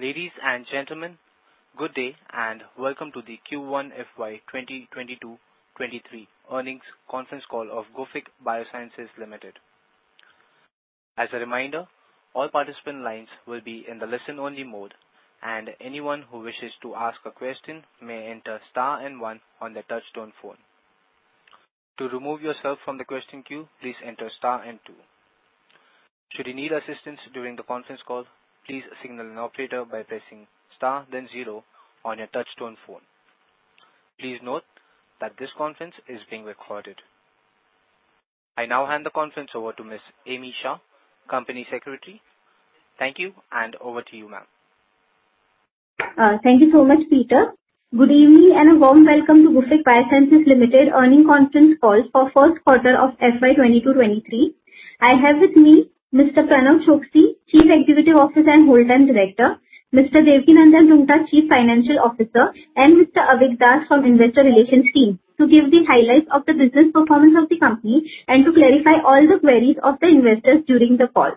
Ladies and gentlemen, good day, and welcome to the Q1 FY 2022-23 earnings conference call of Gufic Biosciences Limited. As a reminder, all participant lines will be in the listen only mode, and anyone who wishes to ask a question may enter star and one on their touchtone phone. To remove yourself from the question queue, please enter star and two. Should you need assistance during the conference call, please signal an operator by pressing star then zero on your touchtone phone. Please note that this conference is being recorded. I now hand the conference over to Ms. Ami Shah, Company Secretary. Thank you, and over to you, ma'am. Thank you so much, Peter. Good evening and a warm welcome to Gufic Biosciences Limited earnings conference call for Q1 of FY 2022-23. I have with me Mr. Pranav Chokshi, Chief Executive Officer and Whole Time Director, Mr. Devkinandan Roongta, Chief Financial Officer, and Mr. Avik Das from Investor Relations team to give the highlights of the business performance of the company and to clarify all the queries of the investors during the call.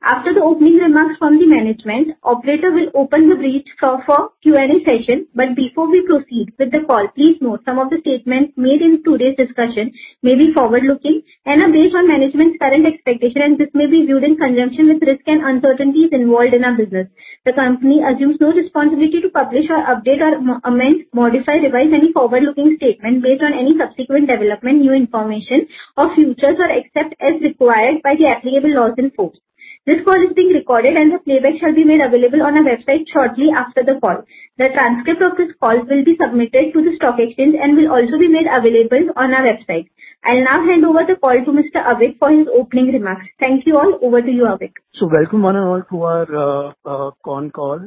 After the opening remarks from the management, operator will open the bridge for Q&A session. Before we proceed with the call, please note some of the statements made in today's discussion may be forward-looking and are based on management's current expectation, and this may be viewed in conjunction with risks and uncertainties involved in our business. The company assumes no responsibility to publish or update or amend, modify, revise any forward-looking statement based on any subsequent development, new information or future events, or except as required by the applicable laws in force. This call is being recorded and the playback shall be made available on our website shortly after the call. The transcript of this call will be submitted to the stock exchange and will also be made available on our website. I'll now hand over the call to Mr. Avik Das for his opening remarks. Thank you all. Over to you, Avik Das. Welcome one and all to our con call.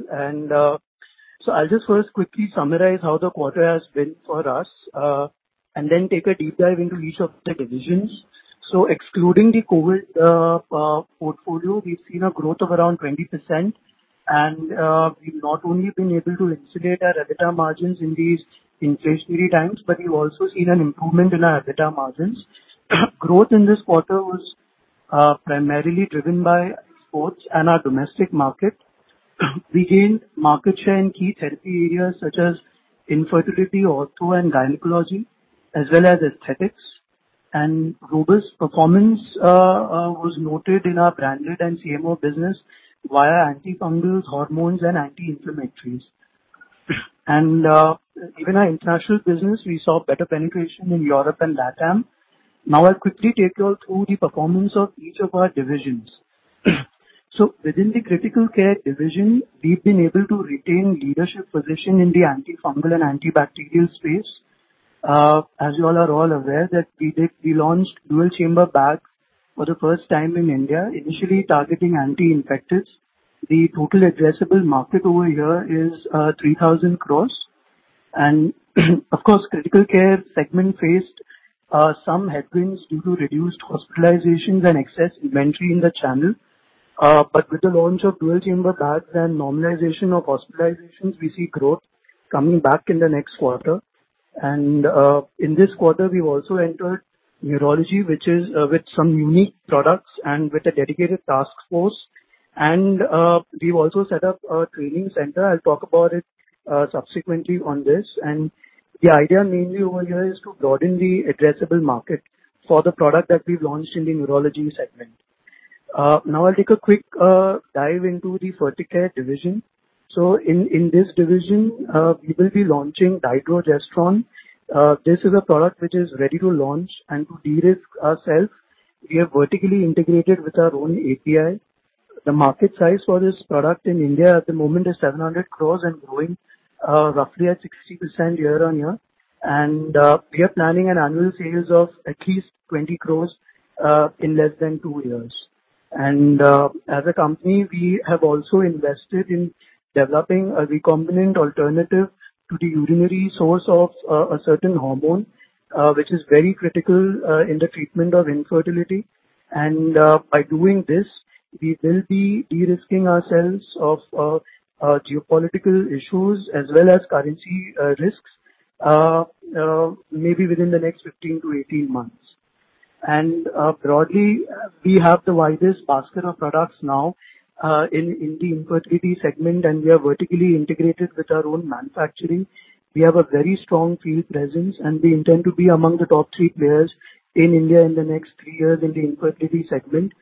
I'll just first quickly summarize how the quarter has been for us and then take a deep dive into each of the divisions. Excluding the COVID portfolio, we've seen a growth of around 20% and we've not only been able to insulate our EBITDA margins in these inflationary times, but we've also seen an improvement in our EBITDA margins. Growth in this quarter was primarily driven by exports and our domestic market. We gained market share in key therapy areas such as infertility, ortho and gynecology, as well as aesthetics. Robust performance was noted in our branded and CMO business via antifungals, hormones and anti-inflammatories. Even our international business, we saw better penetration in Europe and LATAM. Now I'll quickly take you all through the performance of each of our divisions. Within the critical care division, we've been able to retain leadership position in the antifungal and antibacterial space. As you all are aware that we launched Dual Chamber Bag for the first time in India, initially targeting anti-infectives. The total addressable market over here is 3,000 crores. Of course, critical care segment faced some headwinds due to reduced hospitalizations and excess inventory in the channel. But with the launch of Dual Chamber Bags and normalization of hospitalizations, we see growth coming back in the next quarter. In this quarter we've also entered neurology, which is with some unique products and with a dedicated task force. We've also set up a training center. I'll talk about it subsequently on this. The idea mainly over here is to broaden the addressable market for the product that we've launched in the neurology segment. Now I'll take a quick dive into the Ferticare division. In this division, we will be launching Dydrogesterone. This is a product which is ready to launch. To de-risk ourself, we have vertically integrated with our own API. The market size for this product in India at the moment is 700 crore and growing, roughly at 60% year-on-year. We are planning annual sales of at least 20 crore in less than two years. As a company, we have also invested in developing a recombinant alternative to the urinary source of a certain hormone, which is very critical in the treatment of infertility. By doing this, we will be de-risking ourselves of geopolitical issues as well as currency risks, maybe within the next 15-18 months. Broadly, we have the widest basket of products now, in the infertility segment, and we are vertically integrated with our own manufacturing. We have a very strong field presence, and we intend to be among the top three players in India in the next three years in the infertility segment.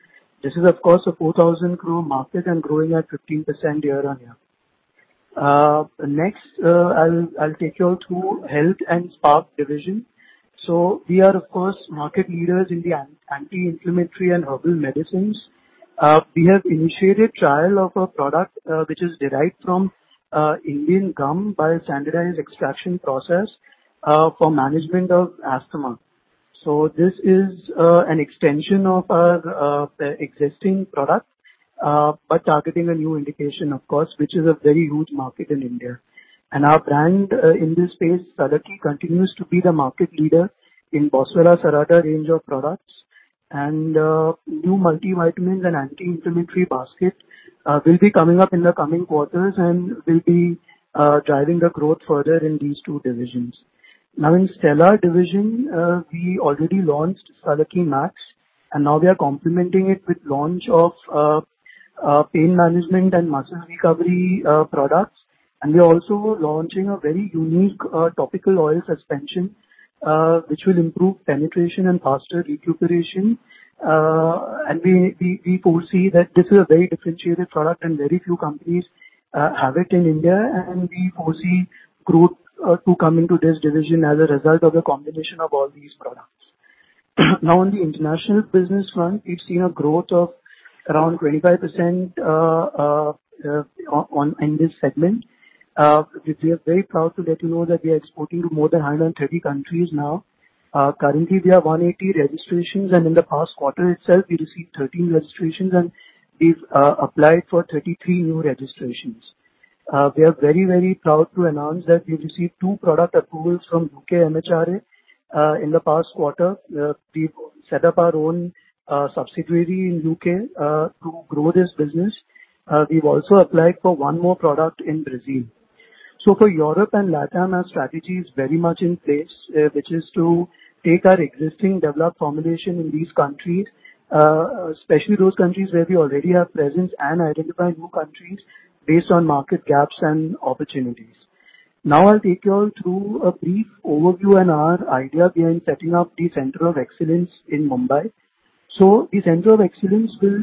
This is of course a 4,000 crore market and growing at 15% year-on-year. Next, I'll take you all through health and spa division. We are of course market leaders in the anti-inflammatory and herbal medicines. We have initiated trial of a product, which is derived from Indian gum by a standardized extraction process, for management of asthma. This is an extension of our existing product, but targeting a new indication of course, which is a very huge market in India. Our brand in this space, Sallaki, continues to be the market leader in Boswellia serrata range of products. New multivitamins and anti-inflammatory basket will be coming up in the coming quarters and will be driving the growth further in these two divisions. Now in Stellar division, we already launched Sallaki Max, and now we are complementing it with launch of pain management and muscle recovery products. We are also launching a very unique topical oil suspension, which will improve penetration and faster recuperation. We foresee that this is a very differentiated product and very few companies have it in India, and we foresee growth to come into this division as a result of the combination of all these products. Now, on the international business front, we've seen a growth of around 25% in this segment. We are very proud to let you know that we are exporting to more than 130 countries now. Currently we have 180 registrations, and in the past quarter itself we received 13 registrations, and we've applied for 33 new registrations. We are very, very proud to announce that we've received two product approvals from U.K. MHRA in the past quarter. We've set up our own subsidiary in U.K. to grow this business. We've also applied for one more product in Brazil. For Europe and LatAm, our strategy is very much in place, which is to take our existing developed formulation in these countries, especially those countries where we already have presence and identify new countries based on market gaps and opportunities. I'll take you all through a brief overview on our idea behind setting up the Center of Excellence in Mumbai. The Center of Excellence will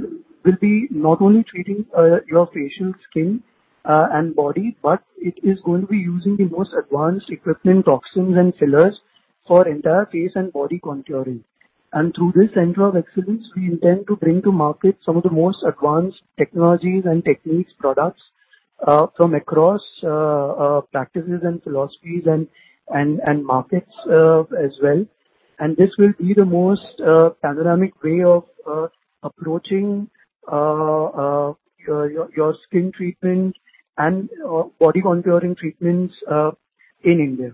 be not only treating your facial skin and body, but it is going to be using the most advanced equipment, toxins and fillers for entire face and body contouring. Through this Center of Excellence, we intend to bring to market some of the most advanced technologies and techniques products from across practices and philosophies and markets as well. This will be the most panoramic way of approaching your skin treatment and body contouring treatments in India.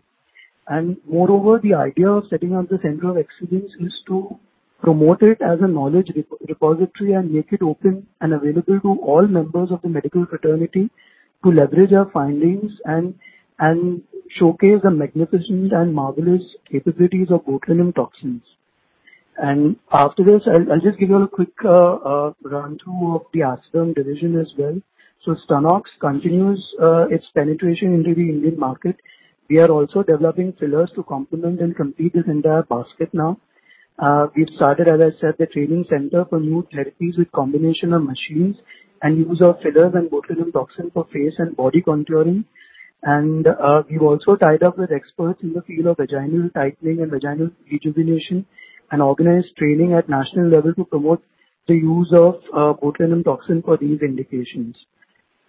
Moreover, the idea of setting up the Center of Excellence is to promote it as a knowledge repository and make it open and available to all members of the medical fraternity to leverage our findings and showcase the magnificent and marvelous capabilities of botulinum toxins. After this I'll just give you a quick run-through of the Aesthaderm division as well. Stunnox continues its penetration into the Indian market. We are also developing fillers to complement and complete this entire basket now. We've started, as I said, the training center for new therapies with combination of machines and use of fillers and botulinum toxin for face and body contouring. We've also tied up with experts in the field of vaginal tightening and vaginal rejuvenation and organized training at national level to promote the use of Botulinum toxin for these indications.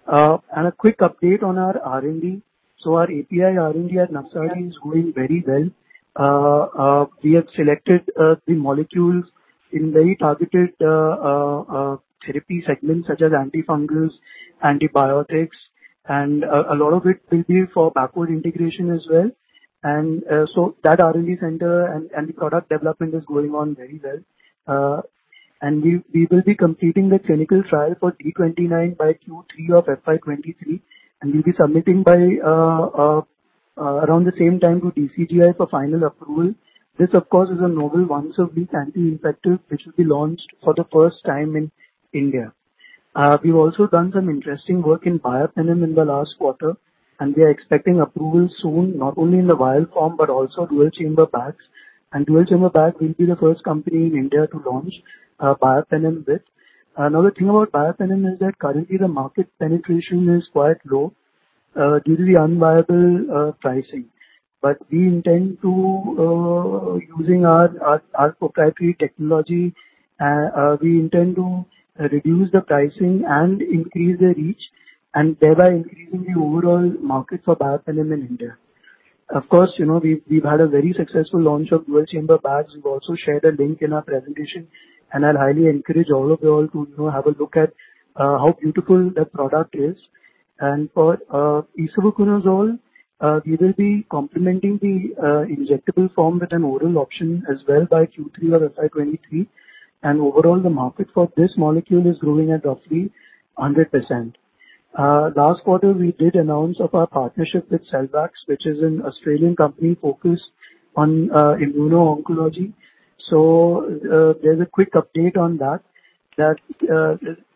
A quick update on our R&D. Our API R&D at Navsari is doing very well. We have selected the molecules in very targeted therapy segments such as antifungals, antibiotics, and a lot of it will be for backward integration as well. That R&D center and the product development is going on very well. We will be completing the clinical trial for D29 by Q3 of FY-23, and we'll be submitting by around the same time to DCGI for final approval. This, of course, is a novel once-a-week anti-infective which will be launched for the first time in India. We've also done some interesting work in Biapenem in the last quarter, and we are expecting approval soon, not only in the vial form, but also Dual Chamber Bags. Dual Chamber Bag, we'll be the first company in India to launch Biapenem with. Another thing about Biapenem is that currently the market penetration is quite low due to the unviable pricing. But we intend to use our proprietary technology to reduce the pricing and increase the reach, and thereby increasing the overall market for Biapenem in India. Of course, you know, we've had a very successful launch of Dual Chamber Bags. We've also shared a link in our presentation, and I'd highly encourage all of you all to, you know, have a look at how beautiful that product is. For Isavuconazole, we will be complementing the injectable form with an oral option as well by Q3 of FY-2023. Overall, the market for this molecule is growing at roughly 100%. Last quarter, we did announcement of our partnership with Selvax, which is an Australian company focused on immuno-oncology. There's a quick update on that. That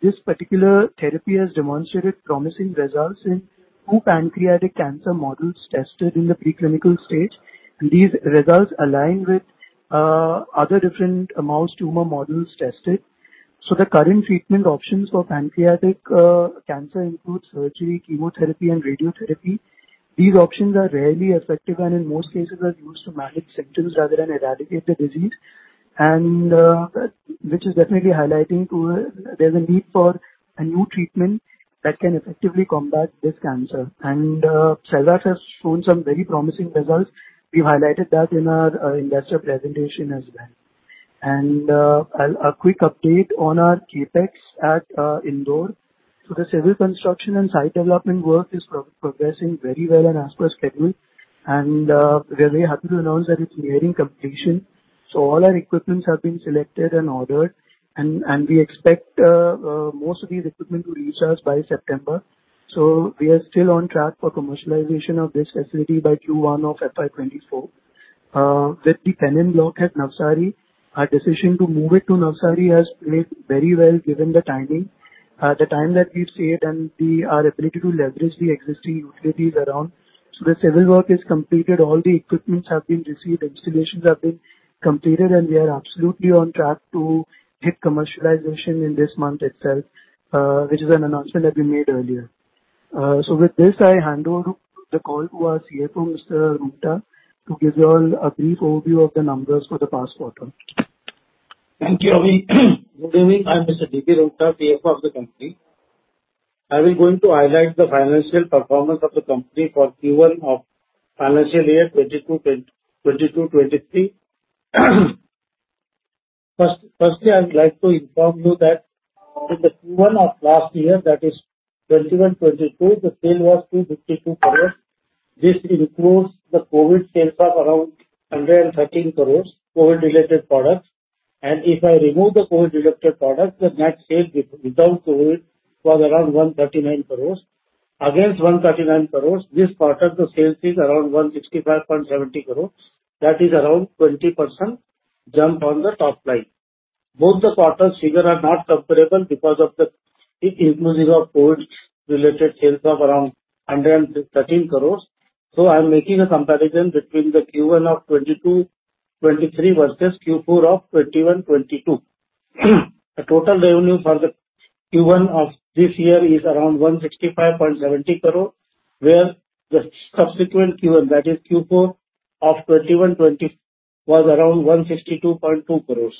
this particular therapy has demonstrated promising results in two pancreatic cancer models tested in the preclinical stage, and these results align with other different mouse tumor models tested. The current treatment options for pancreatic cancer include surgery, chemotherapy and radiotherapy. These options are rarely effective, and in most cases are used to manage symptoms rather than eradicate the disease. There's a need for a new treatment that can effectively combat this cancer. Selvax has shown some very promising results. We've highlighted that in our investor presentation as well. A quick update on our CapEx at Indore. The civil construction and site development work is progressing very well and as per schedule. We're very happy to announce that it's nearing completion. All our equipments have been selected and ordered, and we expect most of these equipment to reach us by September. We are still on track for commercialization of this facility by Q1 of FY 2024. With the Parenteral block at Navsari, our decision to move it to Navsari has played very well given the timing, the time that we've saved and our ability to leverage the existing utilities around. The civil work is completed, all the equipments have been received, installations have been completed, and we are absolutely on track to hit commercialization in this month itself, which is an announcement that we made earlier. With this, I hand over the call to our CFO, Mr. Roonghta, to give you all a brief overview of the numbers for the past quarter. Thank you, Avik. Good evening, I'm Mr. D.K. Roonghta, CFO of the company. I'll be going to highlight the financial performance of the company for Q1 of financial year 2022-23. First, I would like to inform you that in the Q1 of last year, that is 2021-22, the sales was 252 crore. This includes the COVID sales of around 113 crore, COVID-related products. If I remove the COVID-related products, the net sales without COVID was around 139 crore. Against 139 crore, this quarter the sales is around 165.70 crore, that is around 20% jump on the top line. Both the quarters figure are not comparable because of the inclusion of COVID-related sales of around 113 crore, so I'm making a comparison between the Q1 of 2022-23 versus Q4 of 2021-22. The total revenue for the Q1 of this year is around 165.70 crore, where the subsequent Q1, that is Q4 of 2021-22, was around 152.2 crore.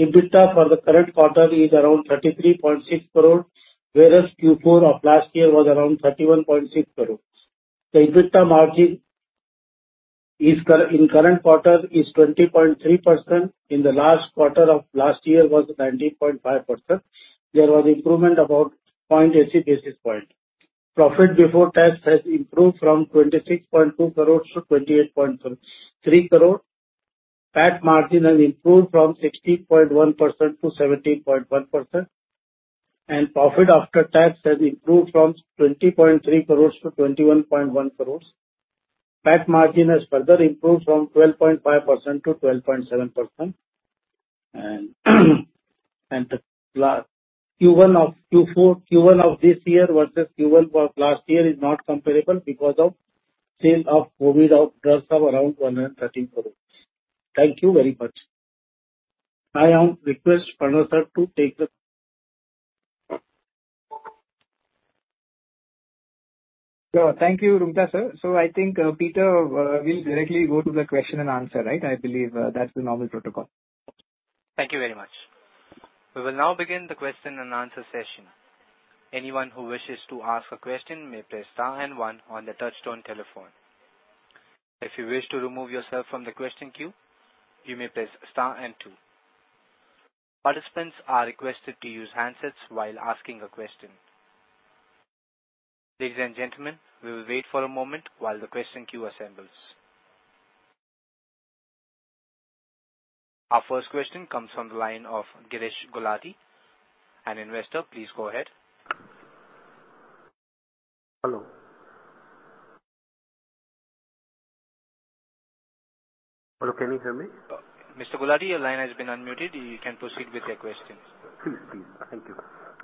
EBITDA for the current quarter is around 33.6 crore, whereas Q4 of last year was around 31.6 crore. The EBITDA margin in current quarter is 20.3%, in the last quarter of last year was 19.5%. There was improvement about 80 basis points. Profit before tax has improved from 26.2 crore to 28.3 crore. PAT margin has improved from 16.1% to 17.1%, and profit after tax has improved from 20.3 crore to 21.1 crore. PAT margin has further improved from 12.5% to 12.7%. Q1 of this year versus Q1 of last year is not comparable because of sales of COVID of around 113 crore. Thank you very much. I request Pranav Sir to take the Thank you, Roonghta sir. I think, Peter, we'll directly go to the question and answer, right? I believe, that's the normal protocol. Thank you very much. We will now begin the question and answer session. Anyone who wishes to ask a question may press star and one on the touchtone telephone. If you wish to remove yourself from the question queue, you may press star and two. Participants are requested to use handsets while asking a question. Ladies and gentlemen, we will wait for a moment while the question queue assembles. Our first question comes from the line of Girish Gulati. An investor, please go ahead. Hello. Hello, can you hear me? Mr. Gulati, your line has been unmuted. You can proceed with your question. Please, please. Thank you.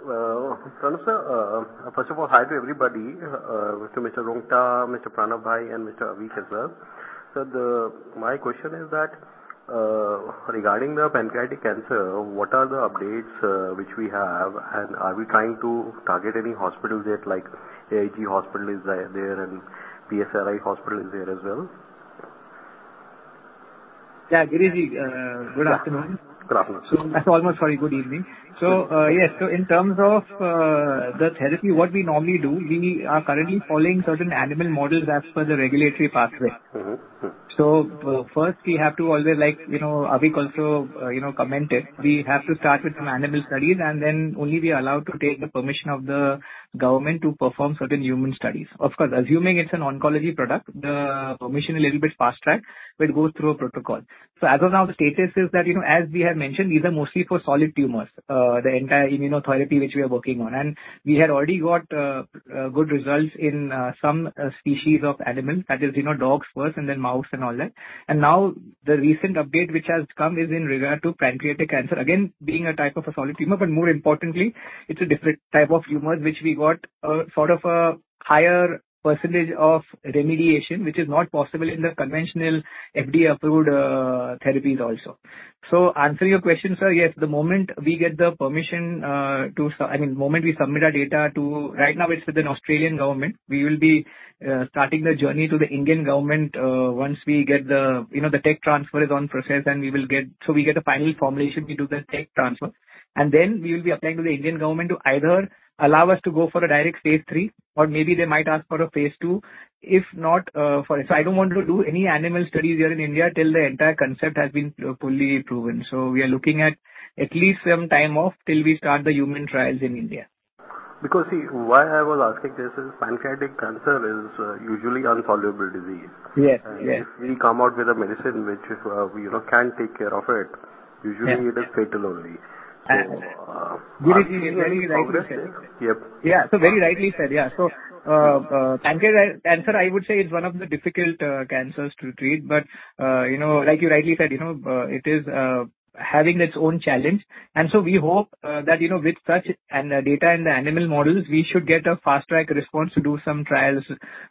Pranav Sir, first of all, hi to everybody, to Mr. Roonghta, Mr. Pranav bhai, and Mr. Avik as well. My question is that, regarding the pancreatic cancer, what are the updates which we have and are we trying to target any hospitals yet like AIG Hospitals is there and PSRI Hospital is there as well? Yeah, Girish Gulati, good afternoon. Good afternoon, sir. Good evening. Yes, in terms of the therapy, what we normally do, we are currently following certain animal models as per the regulatory pathway. Mm-hmm. First we have to always like, you know, Avik also, you know, commented, we have to start with some animal studies and then only we are allowed to take the permission of the government to perform certain human studies. Of course, assuming it's an oncology product, the permission a little bit fast track, but it goes through a protocol. As of now the status is that, you know, as we have mentioned, these are mostly for solid tumors, the entire immunotherapy which we are working on. We had already got good results in some species of animals that is, you know, dogs first and then mouse and all that. Now the recent update which has come is in regard to pancreatic cancer, again being a type of a solid tumor, but more importantly it's a different type of tumors which we got a sort of a higher percentage of remission which is not possible in the conventional FDA-approved therapies also. Answering your question, sir, yes, the moment we get the permission, moment we submit our data to. Right now it's with the Australian government. We will be starting the journey to the Indian government, once we get the tech transfer is in process and we will get. We get a final formulation, we do the tech transfer, and then we will be applying to the Indian government to either allow us to go for a direct phase three or maybe they might ask for a phase two. If not, I don't want to do any animal studies here in India 'til the entire concept has been fully proven. We are looking at least some time off 'til we start the human trials in India. Because, see, why I was asking this is pancreatic cancer is usually unsolvable disease. Yes. Yes. If we come out with a medicine which is, you know, can take care of it. Yes. Usually it is fatal only. Girish Ji, you very rightly said. Yep. Yeah. Very rightly said, yeah. Pancreatic cancer, I would say, is one of the difficult cancers to treat. You know, like you rightly said, you know, it is having its own challenge. We hope that, you know, with such good data in the animal models, we should get a fast-track response to do some trials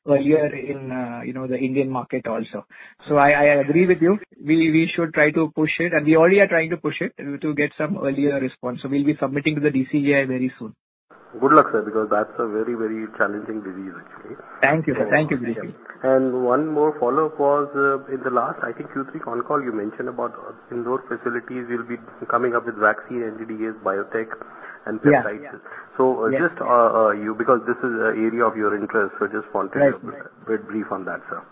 earlier in, you know, the Indian market also. I agree with you. We should try to push it, and we already are trying to push it to get some earlier response. We'll be submitting to the DCGI very soon. Good luck, sir, because that's a very, very challenging disease actually. Thank you, sir. Thank you, Girish Ji. One more follow-up was, in the last, I think, Q3 call you mentioned about indoor facilities you'll be coming up with vaccine and GDAs biotech and peptides. Yeah. Yeah. Just because this is an area of your interest, so I just wanted. Right. A bit brief on that, sir.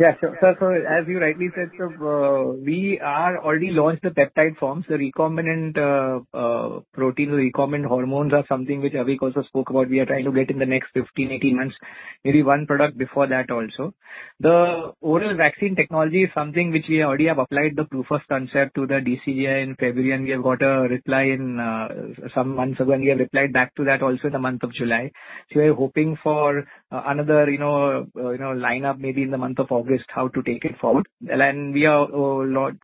Yeah. As you rightly said, sir, we are already launched the peptide forms. The recombinant protein or recombinant hormones are something which Avik also spoke about. We are trying to get in the next 15, 18 months, maybe one product before that also. The oral vaccine technology is something which we already have applied the proof of concept to the DCGI in February, and we have got a reply in some months ago, and we have replied back to that also in the month of July. We are hoping for another lineup maybe in the month of August how to take it forward. We are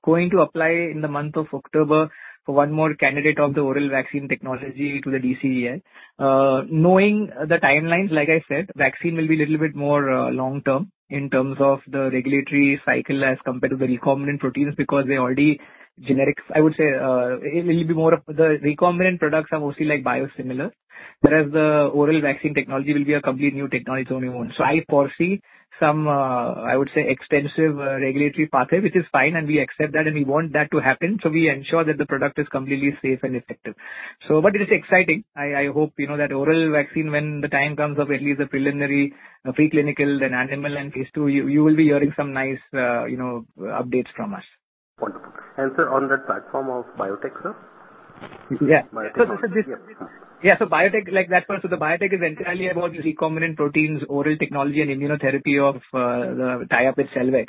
going to apply in the month of October for one more candidate of the oral vaccine technology to the DCGI. Knowing the timelines, like I said, vaccine will be little bit more long-term in terms of the regulatory cycle as compared to the recombinant proteins, because they're already generics. I would say, it will be more of the recombinant products are mostly like biosimilar, whereas the oral vaccine technology will be a completely new technology on its own. I foresee some, I would say, extensive regulatory pathway, which is fine and we accept that and we want that to happen. We ensure that the product is completely safe and effective. But it is exciting. I hope you know that oral vaccine, when the time comes up, at least the preliminary, preclinical, then animal and phase II, you will be hearing some nice, you know, updates from us. Wonderful. Sir, on that platform of biotech, sir? Biotech, like that part. The biotech is entirely about recombinant proteins, oral technology and immunotherapy of the tie-up with Selvax.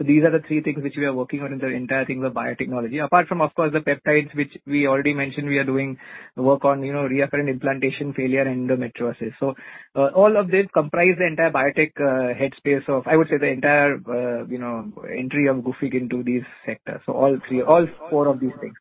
These are the three things which we are working on in the entire thing of biotechnology. Apart from of course the peptides, which we already mentioned we are doing work on, you know, recurrent implantation failure and endometriosis. All of this comprise the entire biotech headspace of, I would say, the entire, you know, entry of Gufic into this sector. All three. All four of these things.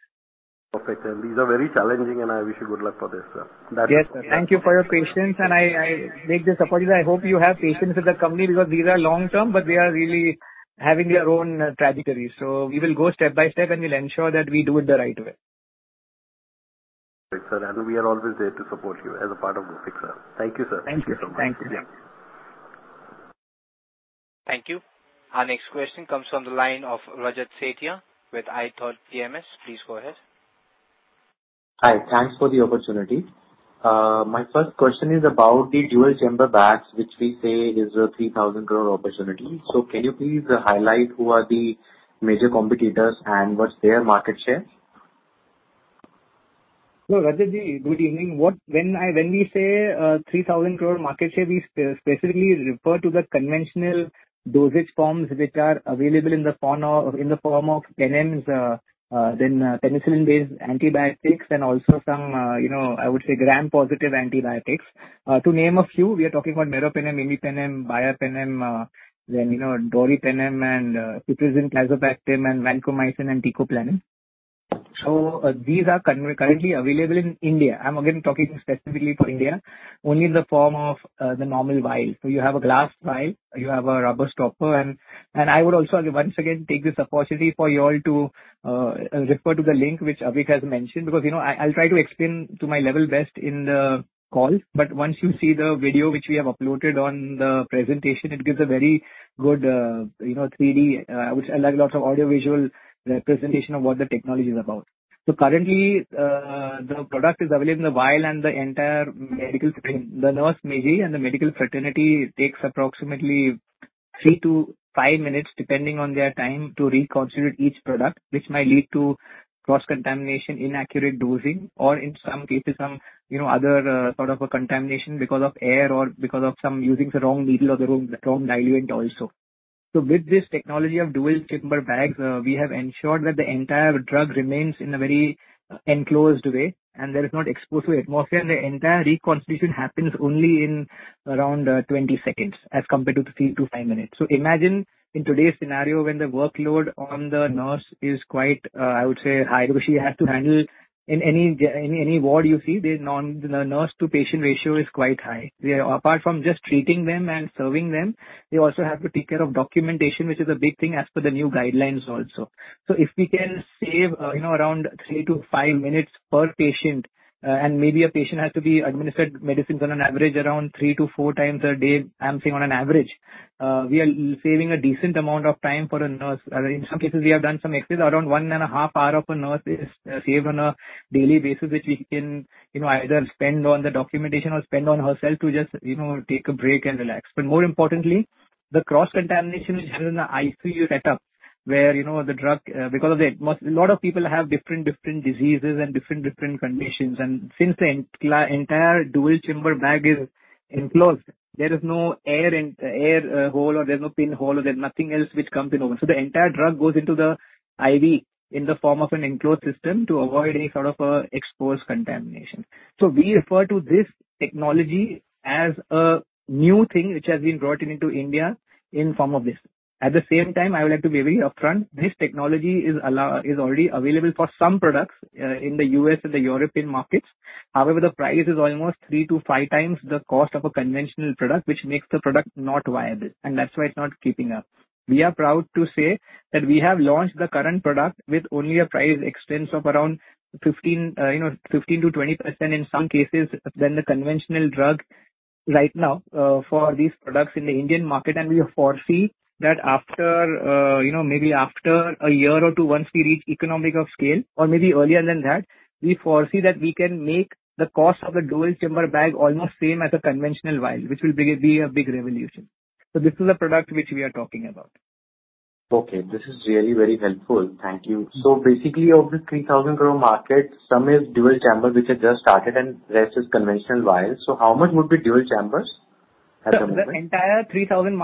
Perfect. These are very challenging, and I wish you good luck for this, sir. Yes, sir. Thank you for your patience. I take this opportunity. I hope you have patience with the company because these are long-term, but we are really having their own trajectory. We will go step by step and we'll ensure that we do it the right way. Great, sir. We are always there to support you as a part of Gufic, sir. Thank you, sir. Thank you. Thank you. Thank you so much. Thank you. Our next question comes from the line of Rajat Sethia with iThought PMS. Please go ahead. Hi. Thanks for the opportunity. My first question is about the Dual Chamber Bags, which we say is a 3,000 crore opportunity. Can you please highlight who are the major competitors and what's their market share? Rajat Ji, good evening. When we say 3,000 crore market share, we specifically refer to the conventional dosage forms which are available in the form of penems, penicillin-based antibiotics and also some, you know, I would say Gram-positive antibiotics. To name a few, we are talking about Meropenem, Imipenem, Biapenem, Doripenem and Ceftriaxone, Piperacillin-Tazobactam and Vancomycin and Teicoplanin. These are currently available in India. I'm again talking specifically for India, only in the form of the normal vial. You have a glass vial, you have a rubber stopper and I would also once again take this opportunity for you all to refer to the link which Avik has mentioned because, you know, I'll try to explain to my level best in the call, but once you see the video which we have uploaded on the presentation, it gives a very good, you know, three-D, which a lot of audio visual representation of what the technology is about. Currently, the product is available in the vial and the entire medical... The nurse, midwife and the medical fraternity takes approximately 3-5 minutes, depending on their time, to reconstitute each product, which might lead to cross-contamination, inaccurate dosing, or in some cases, some, you know, other, sort of a contamination because of air or because of some using the wrong needle or the wrong diluent also. With this technology of dual chamber bags, we have ensured that the entire drug remains in a very enclosed way and that it's not exposed to atmosphere, and the entire reconstitution happens only in around 20 seconds as compared to the 3-5 minutes. Imagine in today's scenario, when the workload on the nurse is quite, I would say high, because she has to handle. In any ward you see, the nurse to patient ratio is quite high. They are apart from just treating them and serving them, they also have to take care of documentation, which is a big thing as per the new guidelines also. If we can save, you know, around 3-5 minutes per patient, and maybe a patient has to be administered medicines on an average around 3-4 times a day, I'm saying on an average, we are saving a decent amount of time for a nurse. In some cases we have done some excess around one and a half hour of a nurse is saved on a daily basis, which we can, you know, either spend on the documentation or spend on herself to just, you know, take a break and relax. More importantly, the cross-contamination which happens in the ICU setup, where you know the drug because of the. A lot of people have different diseases and different conditions. Since the entire Dual Chamber Bag is enclosed, there is no air hole or there's no pinhole or there's nothing else which comes in open. The entire drug goes into the IV in the form of an enclosed system to avoid any sort of exposed contamination. We refer to this technology as a new thing which has been brought into India in form of this. At the same time, I would like to be very upfront. This technology is already available for some products in the U.S. and the European markets. However, the price is almost 3-5 times the cost of a conventional product, which makes the product not viable, and that's why it's not picking up. We are proud to say that we have launched the current product with only a price expense of around 15, you know, 15%-20% in some cases than the conventional drug right now, for these products in the Indian market. We foresee that after, you know, maybe after a year or two, once we reach economies of scale or maybe earlier than that, we foresee that we can make the cost of the Dual Chamber Bag almost same as a conventional vial, which will be a big revolution. This is the product which we are talking about. Okay, this is really very helpful. Thank you. Basically, of the 3,000 crore market, some is dual chamber, which has just started, and rest is conventional vials. How much would be dual chambers at the moment? The entire 3,000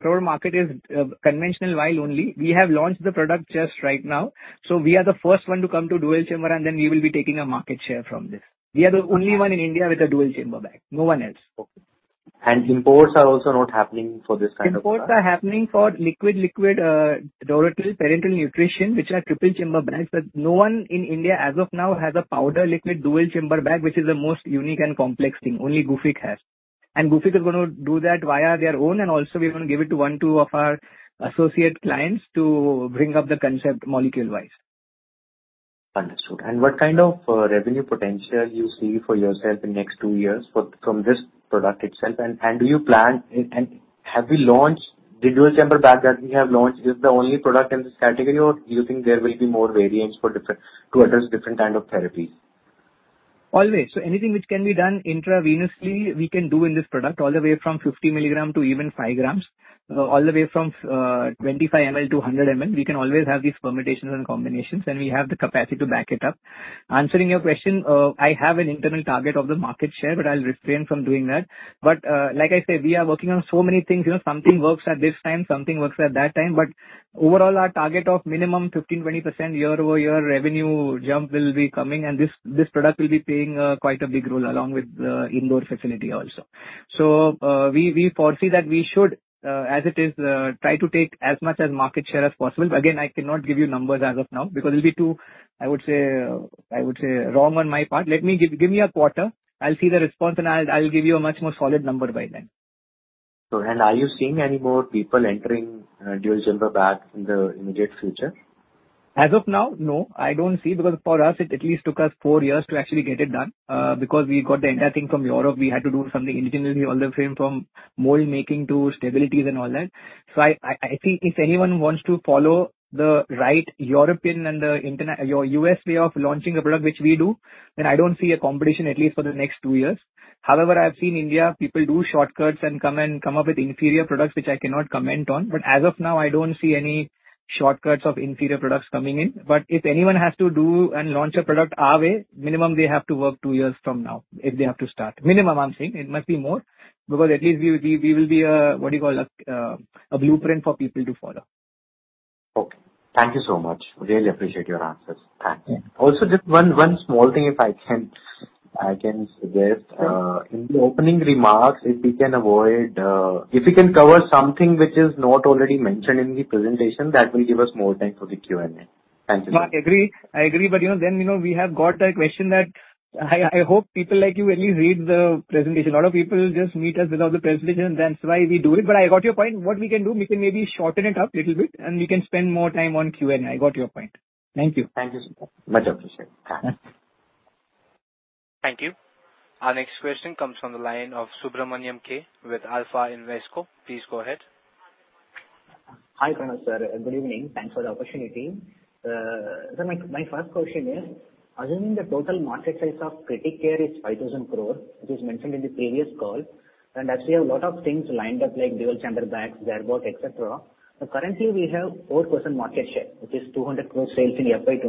crore market is conventional vial only. We have launched the product just right now, so we are the first one to come to dual chamber and then we will be taking a market share from this. We are the only one in India with a dual chamber bag. No one else. Okay. Imports are also not happening for this kind of product? Imports are happening for liquid total parenteral nutrition, which are triple chamber bags. No one in India as of now has a powder liquid dual chamber bag, which is the most unique and complex thing, only Gufic has. Gufic is gonna do that via their own, and also we wanna give it to one, two of our associate clients to bring up the concept molecule-wise. Understood. What kind of revenue potential you see for yourself in next two years from this product itself? Is the Dual Chamber Bag that we have launched the only product in this category or you think there will be more variants for different to address different kind of therapies? Always. Anything which can be done intravenously we can do in this product, all the way from 50 milligrams to even 5 grams. All the way from 25 ml to 100 ml. We can always have these permutations and combinations, and we have the capacity to back it up. Answering your question, I have an internal target of the market share, but I'll refrain from doing that. Like I said, we are working on so many things. You know, something works at this time, something works at that time. Overall, our target of minimum 15%-20% year-over-year revenue jump will be coming. This product will be playing quite a big role along with the indoor facility also. We foresee that we should, as it is, try to take as much as market share as possible. Again, I cannot give you numbers as of now because it'll be too, I would say, wrong on my part. Give me a quarter, I'll see the response and I'll give you a much more solid number by then. Are you seeing any more people entering Dual Chamber Bags in the immediate future? As of now, no. I don't see because for us it at least took us four years to actually get it done. Because we got the entire thing from Europe. We had to do something indigenously all the way from mold making to stabilities and all that. I think if anyone wants to follow the right European and the international or US way of launching a product which we do, then I don't see a competition at least for the next two years. However, I've seen in India, people do shortcuts and come up with inferior products, which I cannot comment on. As of now, I don't see any shortcuts of inferior products coming in. If anyone has to do and launch a product our way, minimum they have to work two years from now, if they have to start. Minimum, I'm saying. It must be more. Because at least we will be a, what do you call? A blueprint for people to follow. Okay. Thank you so much. Really appreciate your answers. Thanks. Yeah. Just one small thing, if I can suggest. Sure. In the opening remarks, if we can cover something which is not already mentioned in the presentation, that will give us more time for the Q&A. Thank you. No, I agree. You know, then, you know, we have got a question that I hope people like you at least read the presentation. A lot of people just meet us without the presentation, that's why we do it. I got your point. What we can do, we can maybe shorten it up little bit and we can spend more time on Q&A. I got your point. Thank you. Thank you so much. Much appreciated. Bye. Yeah. Thank you. Our next question comes from the line of Subramaniam K with Alpha Invesco. Please go ahead. Hi, Pranav, sir. Good evening. Thanks for the opportunity. My first question is, assuming the total market size of Critical Care is 5,000 crore, which is mentioned in the previous call, and as we have a lot of things lined up like dual chamber bags, Airvo, et cetera. Currently we have 4% market share, which is 200 crore sales in FY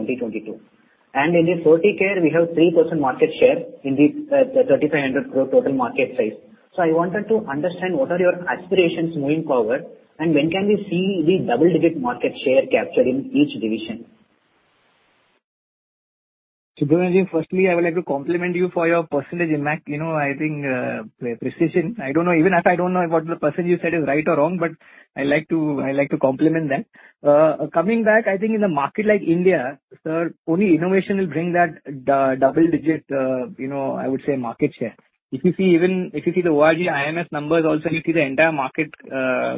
2022. In the Ferticare we have 3% market share in the 3,500 crore total market size. I wanted to understand what are your aspirations moving forward and when can we see the double-digit market share capture in each division? Subramaniam K, firstly, I would like to compliment you for your percentage. You know, I think, precision. I don't know. Even I don't know if what the percentage you said is right or wrong, but I like to compliment that. Coming back, I think in a market like India, sir, only innovation will bring that double-digit, you know, I would say market share. If you see the IQVIA numbers also, you see the entire market,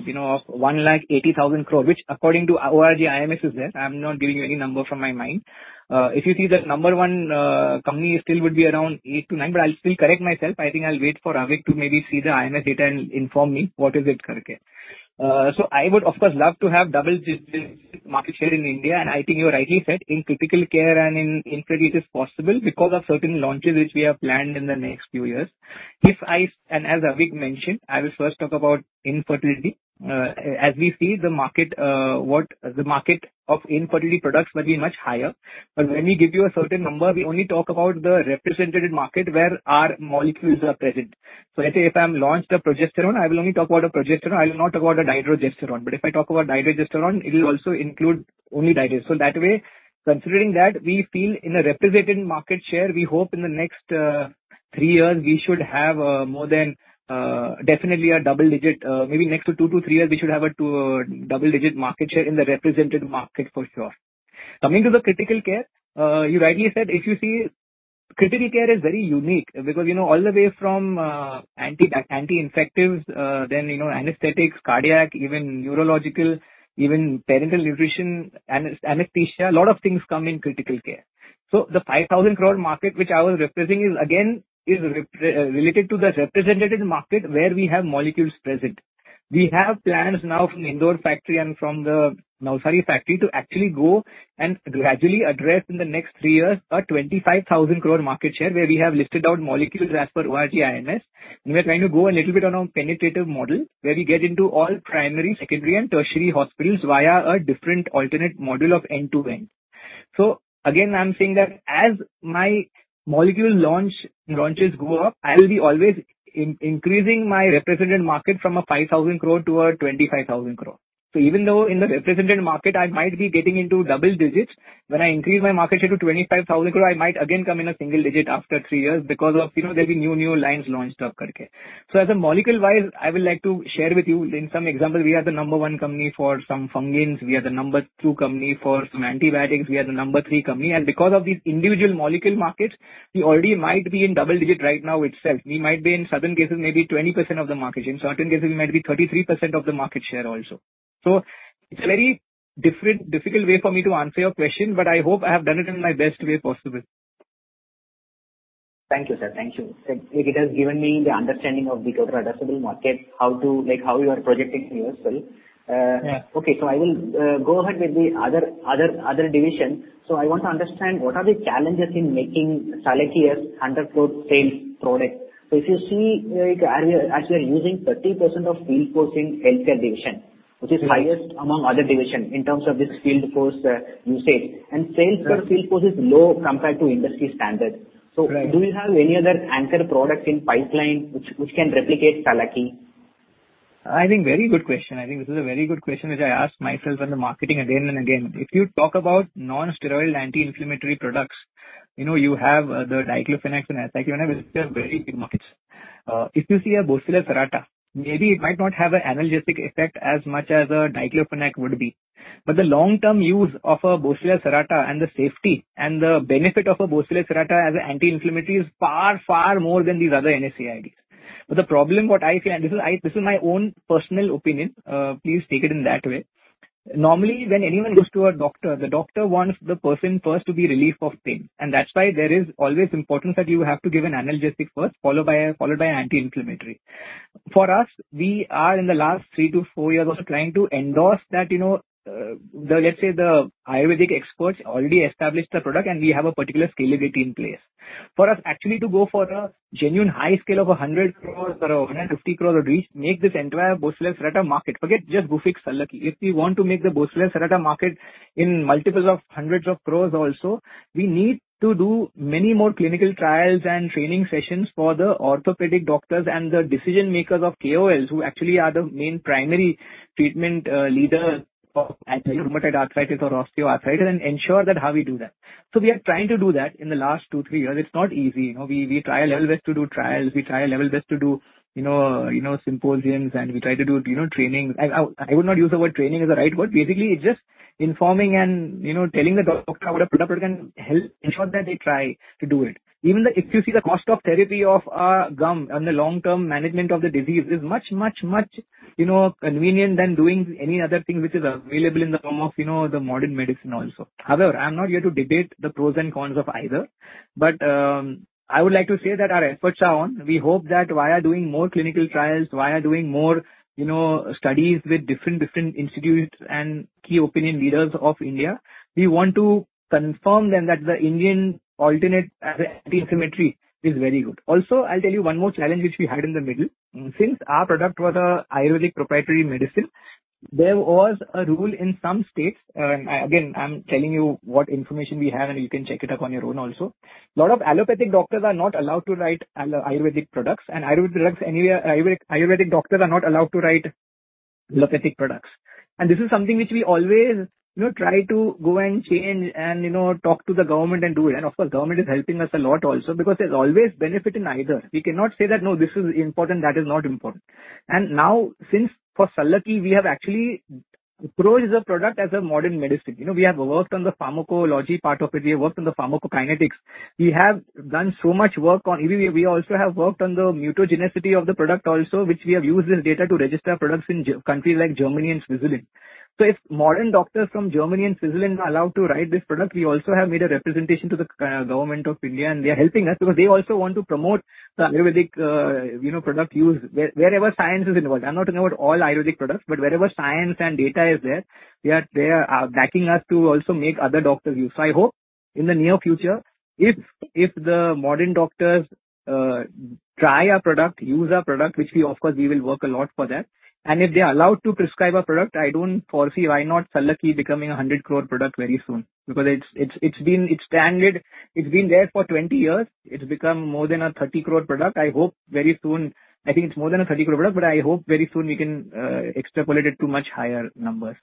you know, of 1,80,000 crore, which according to IQVIA is there. I'm not giving you any number from my mind. If you see the number one company still would be around 8%-9%. I'll still correct myself. I think I'll wait for Avik to maybe see the IMS data and inform me what is it correctly. I would of course love to have double-digit market share in India and I think you rightly said in critical care and in infertility it is possible because of certain launches which we have planned in the next few years. As Avik mentioned, I will first talk about infertility. As we see the market, what the market of infertility products will be much higher. When we give you a certain number, we only talk about the represented market where our molecules are present. Let's say if we launch a progesterone, I will only talk about a progesterone. I will not talk about a dydrogesterone. But if I talk about dydrogesterone, it will also include only dihy. That way considering that, we feel in a represented market share, we hope in the next 3 years we should have more than definitely a double-digit. Maybe in the next 2-3 years, we should have a double-digit market share in the represented market for sure. Coming to the critical care, you rightly said if you see critical care is very unique because, you know, all the way from anti-infectives, then, you know, anesthetics, cardiac, even neurological, even parenteral nutrition, anesthesia, a lot of things come in critical care. The 5,000 crore market, which I was representing is again related to the represented market where we have molecules present. We have plans now from Indore factory and from the Navsari factory to actually go and gradually address in the next three years, a 25,000 crore market share where we have listed out molecules as per IQVIA's. We're trying to go a little bit on a penetrative model where we get into all primary, secondary and tertiary hospitals via a different alternate model of end-to-end. Again, I'm saying that as my molecule launch, launches go up, I will be always increasing my represented market from a 5,000 crore to a 25,000 crore. Even though in the represented market I might be getting into double digits, when I increase my market share to 25,000 crore, I might again come in a single digit after 3 years because of, you know, there'll be new lines launched. As a molecule-wise, I would like to share with you in some example, we are the number 1 company for some echinocandin. We are the number 2 company for some antibiotics. We are the number 3 company. Because of these individual molecule markets, we already might be in double digit right now itself. We might be in certain cases maybe 20% of the market share. In certain cases we might be 33% of the market share also. It's a very different, difficult way for me to answer your question, but I hope I have done it in my best way possible. Thank you, sir. Thank you. It has given me the understanding of the total addressable market, how to like, how you are projecting yourself. Yeah. Okay. I will go ahead with the other division. I want to understand what are the challenges in making Sallaki as anchor product sales product. If you see like area, as you are using 30% of field force in healthcare division, which is highest among other division in terms of its field force usage and sales. Yeah. Our field force is low compared to industry standard. Right. Do you have any other anchor product in pipeline which can replicate Sallaki? I think very good question. I think this is a very good question which I ask myself in the marketing again and again. If you talk about nonsteroidal anti-inflammatory products, you know, you have the Diclofenac and Aceclofenac which is a very big market. If you see a Boswellia serrata, maybe it might not have an analgesic effect as much as a Diclofenac would be. The long-term use of a Boswellia serrata and the safety and the benefit of a Boswellia serrata as an anti-inflammatory is far, far more than these other NSAIDs. The problem what I feel, and this is my own personal opinion, please take it in that way. Normally, when anyone goes to a doctor, the doctor wants the person first to be relieved of pain and that's why there is always importance that you have to give an analgesic first, followed by anti-inflammatory. For us, we are in the last 3-4 years also trying to endorse that, you know, let's say the Ayurvedic experts already established the product and we have a particular scalability in place. For us actually to go for a genuine high scale of 100 crore or 150 crore reach, make this entire Boswellia serrata market, forget just Gufic Sallaki. If we want to make the Boswellia serrata market in multiples of hundreds of crores also, we need to do many more clinical trials and training sessions for the orthopedic doctors and the decision makers of KOLs who actually are the main primary treatment leader of rheumatoid arthritis or osteoarthritis and ensure that how we do that. We are trying to do that in the last two, three years. It's not easy. You know, we try our level best to do trials. We try our level best to do, you know, symposiums and we try to do, you know, training. I would not use the word training as the right word. Basically it's just informing and, you know, telling the doctor how the product can help ensure that they try to do it. Even the If you see the cost of therapy of gum and the long-term management of the disease is much, you know, convenient than doing any other thing which is available in the form of, you know, the modern medicine also. However, I'm not here to debate the pros and cons of either, but I would like to say that our efforts are on. We hope that via doing more clinical trials, via doing more, you know, studies with different institutes and key opinion leaders of India, we want to confirm them that the Indian alternative as an anti-inflammatory is very good. Also, I'll tell you one more challenge which we had in the middle. Since our product was an Ayurvedic proprietary medicine, there was a rule in some states. Again, I'm telling you what information we have and you can check it up on your own also. A lot of allopathic doctors are not allowed to write Ayurvedic products, and Ayurvedic doctors are not allowed to write allopathic products. This is something which we always, you know, try to go and change and, you know, talk to the government and do it. Of course, government is helping us a lot also because there's always benefit in either. We cannot say that, "No, this is important, that is not important." Now since for Sallaki, we have actually proved the product as a modern medicine. You know, we have worked on the pharmacology part of it. We have worked on the pharmacokinetics. We have done so much work on. We also have worked on the mutagenicity of the product also, which we have used this data to register products in countries like Germany and Switzerland. If modern doctors from Germany and Switzerland are allowed to write this product, we also have made a representation to the Government of India and they are helping us because they also want to promote the Ayurvedic product use wherever science is involved. I'm not talking about all Ayurvedic products, but wherever science and data is there, they are backing us to also make other doctors use. I hope in the near future, if the modern doctors try our product, use our product, which we of course will work a lot for that, and if they're allowed to prescribe our product, I don't foresee why not Sallaki becoming an 100 crore product very soon. Because it's been. It's standard. It's been there for 20 years. It's become more than an 30 crore product. I hope very soon. I think it's more than an 30 crore product, but I hope very soon we can extrapolate it to much higher numbers.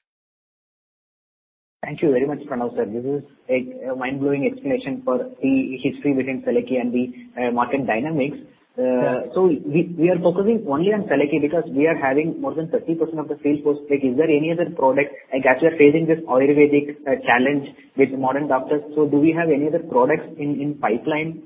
Thank you very much, Pranav sir. This is a mind-blowing explanation for the history between Sallaki and the market dynamics. Yeah. We are focusing only on Sallaki because we are having more than 30% of the sales force. Like, is there any other product, like, as you are facing this Ayurvedic challenge with modern doctors, do we have any other products in pipeline?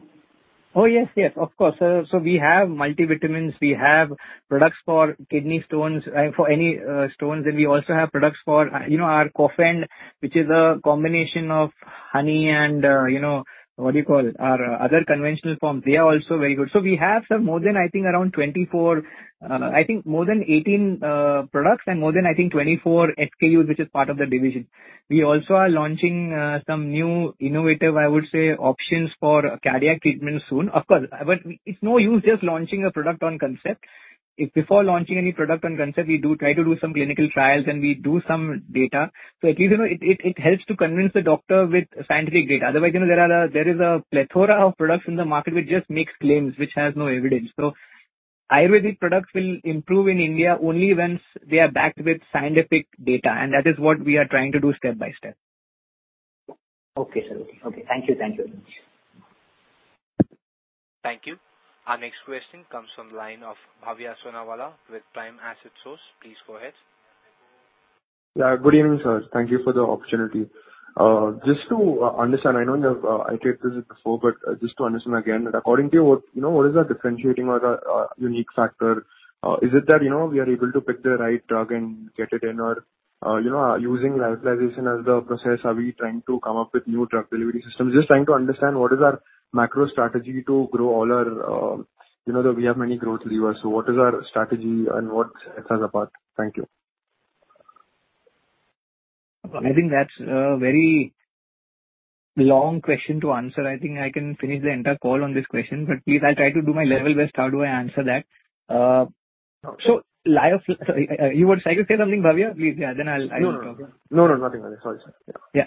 Yes. Yes, of course. We have multivitamins, we have products for kidney stones, for any stones, and we also have products for, you know, our Kofend, which is a combination of honey and, you know, what do you call, our other conventional forms. They are also very good. We have some more than, I think, around 24, I think more than 18 products and more than, I think, 24 SKUs, which is part of the division. We also are launching some new innovative, I would say, options for cardiac treatment soon. Of course, it's no use just launching a product on concept. If before launching any product on concept, we do try to do some clinical trials and we do some data. At least, you know, it helps to convince the doctor with scientific data. Otherwise, you know, there is a plethora of products in the market which just makes claims, which has no evidence. Ayurvedic products will improve in India only once they are backed with scientific data, and that is what we are trying to do step by step. Okay, sir. Okay. Thank you. Thank you very much. Thank you. Our next question comes from the line of Bhavya Sonawala with Prime Asset Source. Please go ahead. Yeah, good evening, sir. Thank you for the opportunity. Just to understand, I know you have iterated this before, but just to understand again. According to you, what, you know, what is our differentiating or the unique factor? Is it that, you know, we are able to pick the right drug and get it in our, you know, using lyophilization as the process? Are we trying to come up with new drug delivery systems? Just trying to understand what is our macro strategy to grow all our, you know. We have many growth levers, so what is our strategy and what sets us apart? Thank you. I think that's a very long question to answer. I think I can finish the entire call on this question, but please I'll try to do my level best, how do I answer that. Sorry, you would like to say something, Bhavya? Please, yeah, then I'll talk. No. Nothing. Sorry, sir. Yeah. Yeah.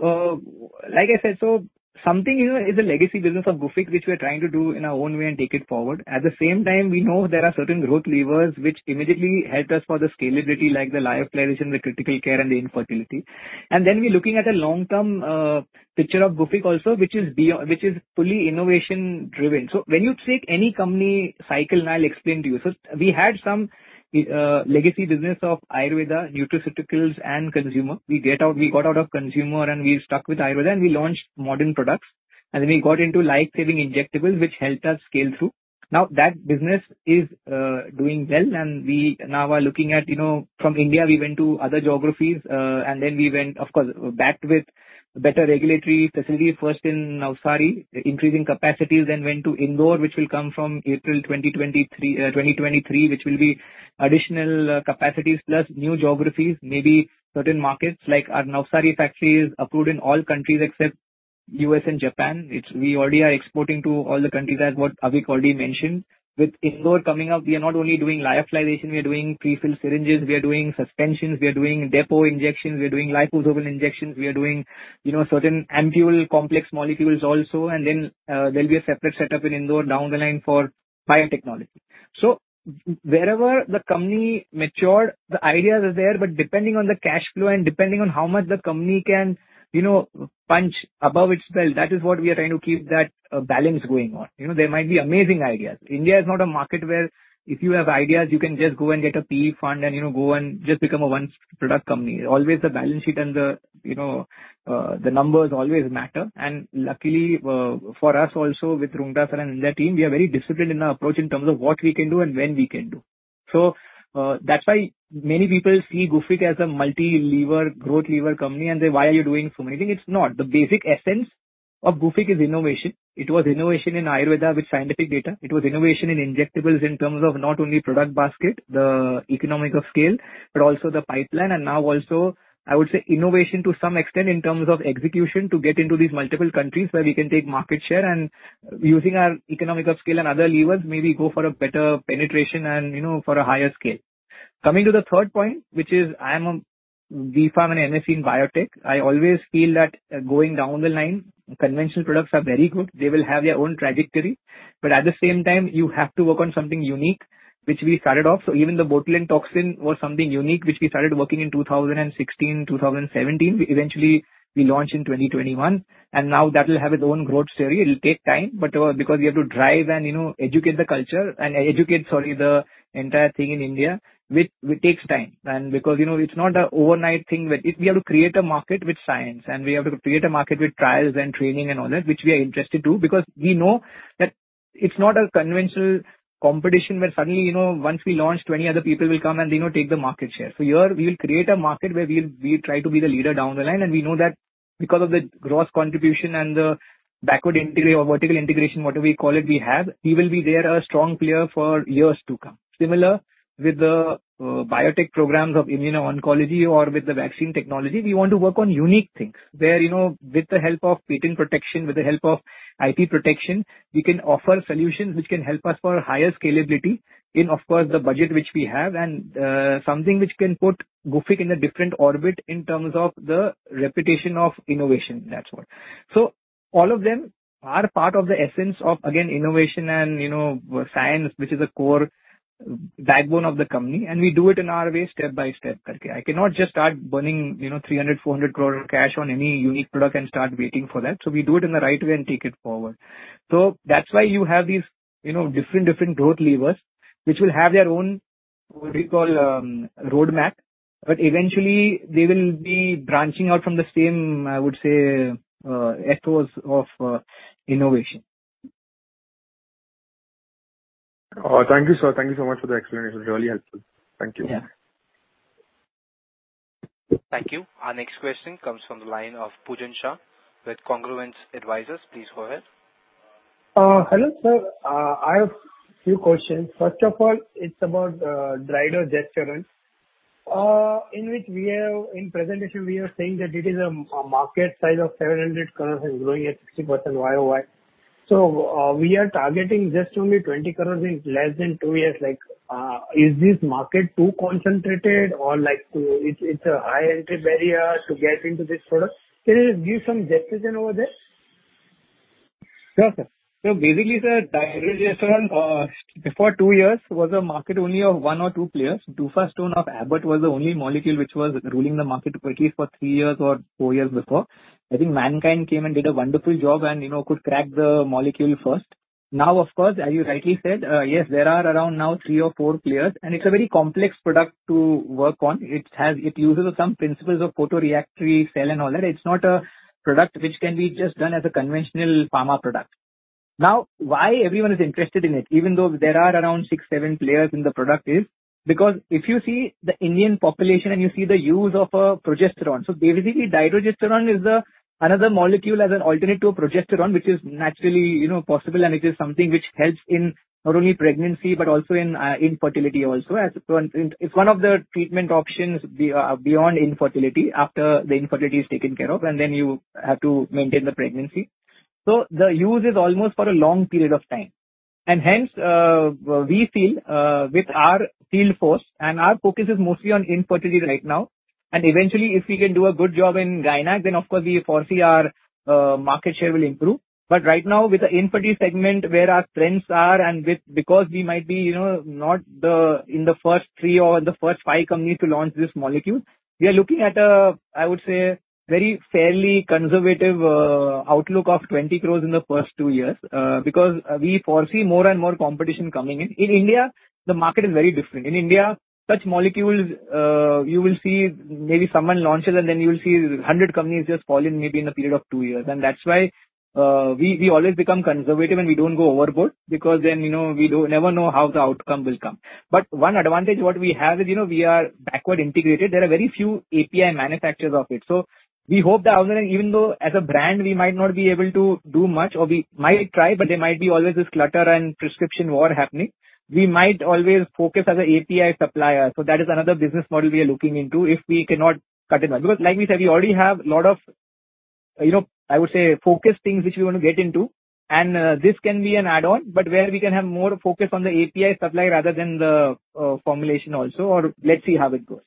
Like I said, so something, you know, is a legacy business of Gufic, which we are trying to do in our own way and take it forward. At the same time, we know there are certain growth levers which immediately help us for the scalability, like the lyophilization, the critical care and the fertility. Then we're looking at a long-term picture of Gufic also, which is beyond, which is fully innovation-driven. When you take any company cycle, and I'll explain to you. We had some legacy business of Ayurveda, nutraceuticals and consumer. We got out of consumer and we stuck with Ayurveda, and we launched modern products. Then we got into life-saving injectables, which helped us scale through. Now that business is doing well and we now are looking at, you know, from India we went to other geographies, and then we went, of course, backed with better regulatory facilities, first in Navsari, increasing capacities, then went to Indore, which will come from April 2023, which will be additional capacities plus new geographies. Maybe certain markets, like our Navsari factory is approved in all countries except U.S. and Japan. It's, we already are exporting to all the countries as what Avik Das already mentioned. With Indore coming up, we are not only doing lyophilization, we are doing pre-filled syringes, we are doing suspensions, we are doing depot injections, we are doing liposoluble injections, we are doing, you know, certain ampoule complex molecules also. There'll be a separate setup in Indore down the line for biotechnology. Wherever the company matured, the ideas are there, but depending on the cash flow and depending on how much the company can, you know, punch above its weight, that is what we are trying to keep that balance going on. You know, there might be amazing ideas. India is not a market where if you have ideas, you can just go and get a PE fund and, you know, go and just become a one product company. Always the balance sheet and the, you know, the numbers always matter. Luckily, for us also with Roonghta sir and their team, we are very disciplined in our approach in terms of what we can do and when we can do. That's why many people see Gufic as a multi-lever growth lever company, and say, "Why are you doing so many things?" It's not. The basic essence of Gufic is innovation. It was innovation in Ayurveda with scientific data. It was innovation in injectables in terms of not only product basket, the economics of scale, but also the pipeline and now also, I would say innovation to some extent in terms of execution to get into these multiple countries where we can take market share and using our economic of scale and other levers, maybe go for a better penetration and, you know, for a higher scale. Coming to the third point, which is I am a B.Pharm and MSc in biotech. I always feel that going down the line, conventional products are very good. They will have their own trajectory. At the same time, you have to work on something unique, which we started off. Even the Botulinum toxin was something unique, which we started working in 2016, 2017. We eventually launched in 2021, and now that will have its own growth story. It'll take time, but because we have to drive and, you know, educate the culture and the entire thing in India, which takes time. Because, you know, it's not an overnight thing where we have to create a market with science and we have to create a market with trials and training and all that, which we are interested to, because we know that it's not a conventional competition where suddenly, you know, once we launch, 20 other people will come and, you know, take the market share. Here we will create a market where we try to be the leader down the line, and we know that because of the gross contribution and the backward or vertical integration, whatever we call it, we will be a strong player for years to come. Similar with the biotech programs of immuno-oncology or with the vaccine technology, we want to work on unique things where, you know, with the help of patent protection, with the help of IP protection, we can offer solutions which can help us for higher scalability in, of course, the budget which we have and something which can put Gufic in a different orbit in terms of the reputation of innovation, that's all. All of them are part of the essence of, again, innovation and, you know, science, which is the core backbone of the company, and we do it in our way step by step. I cannot just start burning, you know, 300-400 crore cash on any unique product and start waiting for that. We do it in the right way and take it forward. That's why you have these, you know, different growth levers, which will have their own, what do you call, roadmap, but eventually they will be branching out from the same, I would say, echoes of innovation. Oh, thank you, sir. Thank you so much for the explanation. Really helpful. Thank you. Yeah. Thank you. Our next question comes from the line of Pujan Shah with Congruence Advisers. Please go ahead. Hello, sir. I have a few questions. First of all, it's about Dydrogesterone. In presentation, we are saying that it is a massive market size of 700 crores and growing at 60% YOY. We are targeting just only 20 crores in less than two years. Like, is this market too concentrated or like, it's a high entry barrier to get into this product? Can you just give some justification over this? Sure, sir. Basically, sir, Dydrogesterone, before 2 years was a market only of 1 or 2 players. Duphaston of Abbott was the only molecule which was ruling the market at least for 3 years or 4 years before. I think Mankind came and did a wonderful job and, you know, could crack the molecule first. Now, of course, as you rightly said, yes, there are around now 3 or 4 players, and it's a very complex product to work on. It uses some principles of photoreactor cell and all that. It's not a product which can be just done as a conventional pharma product. Now, why everyone is interested in it, even though there are around 6, 7 players in the product is because if you see the Indian population and you see the use of a progesterone. Basically Dydrogesterone is another molecule as an alternate to a progesterone, which is naturally, you know, possible and it is something which helps in not only pregnancy, but also in infertility also. It's one of the treatment options beyond infertility after the infertility is taken care of, and then you have to maintain the pregnancy. The use is almost for a long period of time. Hence, we feel with our field force and our focus is mostly on infertility right now, and eventually, if we can do a good job in gynecs, then of course we foresee our market share will improve. Right now with the infertility segment where our strengths are and with, because we might be, you know, not the, in the first three or in the first five companies to launch this molecule, we are looking at a, I would say, very fairly conservative outlook of 20 crore in the first two years, because we foresee more and more competition coming in. In India, the market is very different. In India, such molecules, you will see maybe someone launches and then you will see 100 companies just fall in maybe in a period of two years. That's why, we always become conservative and we don't go overboard because then, you know, we do never know how the outcome will come. One advantage what we have is, you know, we are backward integrated. There are very few API manufacturers of it. We hope that although even though as a brand we might not be able to do much or we might try, but there might be always this clutter and prescription war happening, we might always focus as an API supplier. That is another business model we are looking into if we cannot cut it down. Because like we said, we already have lot of, you know, I would say, focused things which we wanna get into, and this can be an add on, but where we can have more focus on the API supply rather than the formulation also, or let's see how it goes.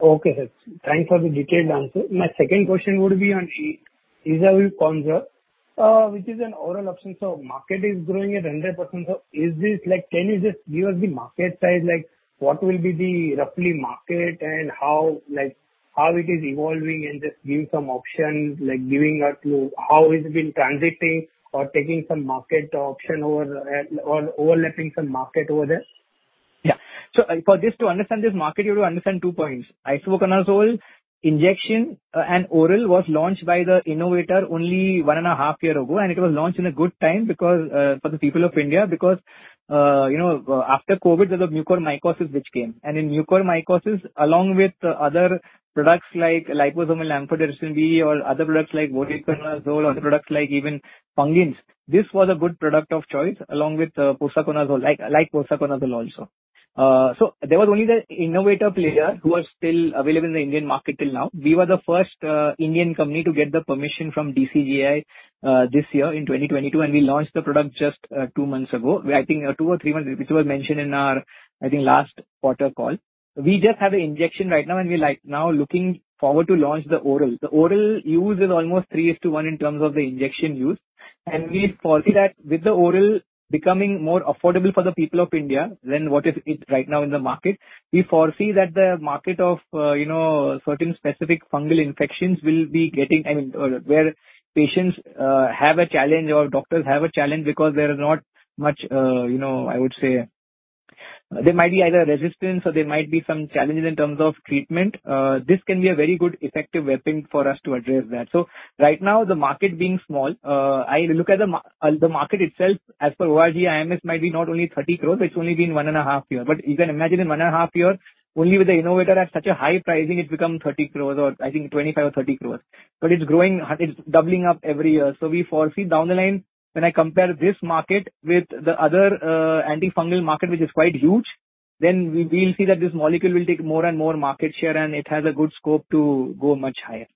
Okay, sir. Thanks for the detailed answer. My second question would be on Isavuconazole, which is an oral option, so market is growing at 100%. Is this like Can you just give us the market size, like what will be the roughly market and how, like, how it is evolving and just give some option, like giving us, how it's been transiting or taking some market option over, or overlapping some market over there? Yeah. To understand this market, you have to understand two points. Isavuconazole injection and oral was launched by the innovator only 1.5 years ago, and it was launched in a good time because for the people of India, because you know, after COVID, there's a mucormycosis which came. In mucormycosis, along with other products like liposomal amphotericin B or other products like voriconazole, or other products like even echinocandin. This was a good product of choice along with posaconazole also. There was only the innovator player who was still available in the Indian market till now. We were the first Indian company to get the permission from DCGI this year in 2022, and we launched the product just 2 months ago. I think 2 or 3 months, which was mentioned in our, I think, last quarter call. We just have an injection right now and we're now looking forward to launch the oral. The oral use is almost three to one in terms of the injection use. We foresee that with the oral becoming more affordable for the people of India than what is it right now in the market, we foresee that the market of, you know, certain specific fungal infections will be getting, I mean, where patients have a challenge or doctors have a challenge because there is not much, you know, I would say there might be either resistance or there might be some challenges in terms of treatment. This can be a very good effective weapon for us to address that. Right now, the market being small, I look at the market itself as per IQVIA IMS might be not only 30 crore, it's only been 1.5 years. You can imagine in 1.5 years, only with the innovator at such a high pricing, it's become 30 crore or I think 25 crore or 30 crore. It's growing, it's doubling up every year. We foresee down the line, when I compare this market with the other, antifungal market which is quite huge, then we will see that this molecule will take more and more market share and it has a good scope to go much higher.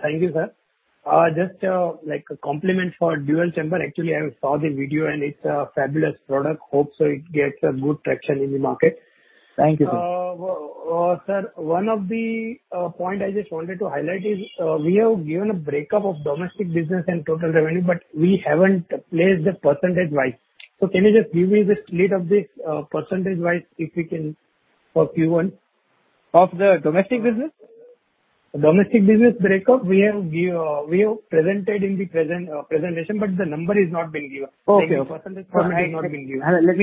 Thank you, sir. Just, like a compliment for Dual Chamber. Actually, I saw the video and it's a fabulous product. Hope so it gets a good traction in the market. Thank you, sir. Sir, one of the point I just wanted to highlight is, we have given a breakup of domestic business and total revenue, but we haven't placed it percentage-wise. Can you just give me the split of this, percentage-wise, if you can, for Q1? Of the domestic business? Domestic business breakup. We have presented in the presentation, but the number is not been given. Okay. The percentage part has not been given. Yeah. Always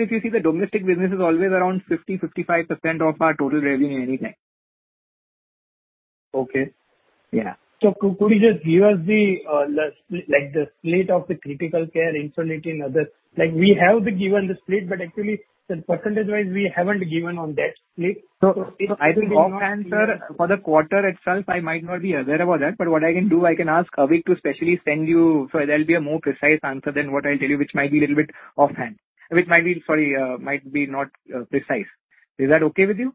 if you see the domestic business is always around 50-55% of our total revenue anyway. Okay. Yeah. Could you just give us the, like the split of the critical care, insulin and others. Like, we have been given the split, but actually the percentage-wise we haven't given on that split. I think offhand, sir, for the quarter itself, I might not be aware about that. What I can do, I can ask Avik to specifically send you, so that'll be a more precise answer than what I'll tell you, which might be a little bit offhand, which might not be precise. Is that okay with you?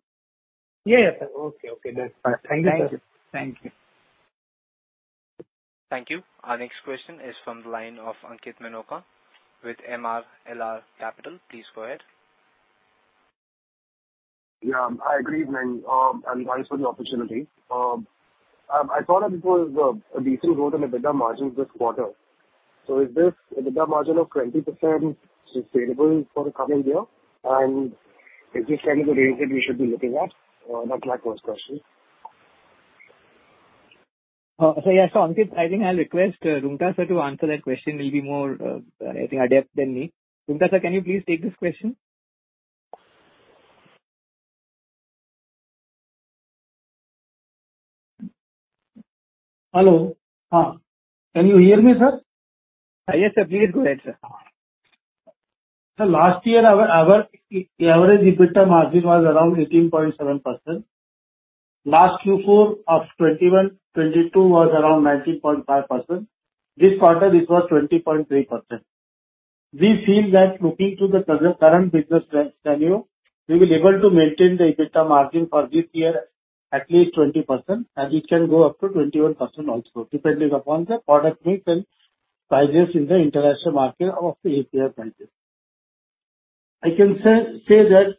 Yes, sir. Okay. Okay. That's fine. Thank you, sir. Thank you. Thank you. Our next question is from the line of Ankit Minocha with MRLR Capital. Please go ahead. Yeah, I agree, and thanks for the opportunity. I thought that it was a decent growth in EBITDA margins this quarter. Is this EBITDA margin of 20% sustainable for the coming year? Is this kind of the range that we should be looking at? That's my first question. Ankit, I think I'll request Roonghta sir to answer that question, will be more, I think, adept than me. Roonghta sir, can you please take this question? Hello. Can you hear me, sir? Yes, sir. We hear you answer. Last year our average EBITDA margin was around 18.7%. Last Q4 of 2021-2022 was around 19.5%. This quarter it was 20.3%. We feel that looking to the present current business trends scenario, we will be able to maintain the EBITDA margin for this year at least 20% and it can go up to 21% also, depending upon the product mix and prices in the international market of the API purchase. I can say that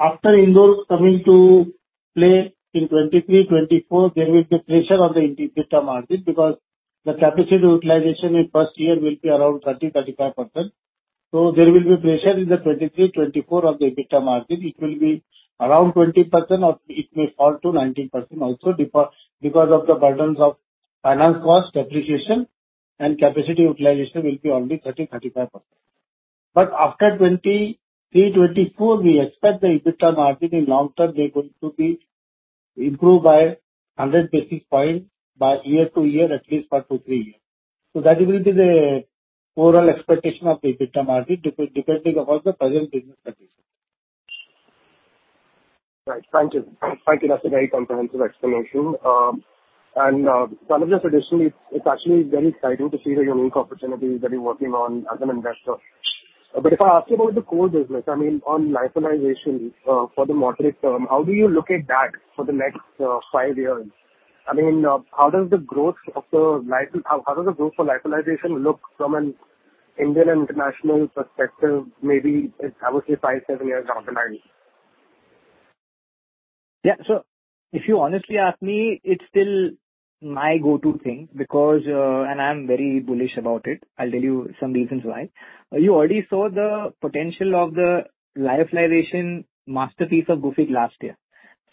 after Indore coming to play in 2023-2024, there will be pressure on the EBITDA margin because the capacity utilization in first year will be around 30-35%. There will be pressure in the 2023-2024 of the EBITDA margin. It will be around 20% or it may fall to 19% also because of the burdens of finance cost depreciation and capacity utilization will be only 30%-35%. After 2023-2024, we expect the EBITDA margin in long term they're going to be improved by 100 basis points year-over-year, at least for 2-3 years. That will be the overall expectation of the EBITDA margin depending upon the present business conditions. Right. Thank you. Thank you. That's a very comprehensive explanation. One of the additional, it's actually very exciting to see the unique opportunities that you're working on as an investor. If I ask you about the core business, I mean on lyophilization, for the medium term, how do you look at that for the next five years? I mean, how does the growth for lyophilization look from an Indian and international perspective, maybe I would say five, seven years down the line? Yeah. If you honestly ask me, it's still my go-to thing because and I'm very bullish about it. I'll tell you some reasons why. You already saw the potential of the lyophilization masterpiece of Gufic last year.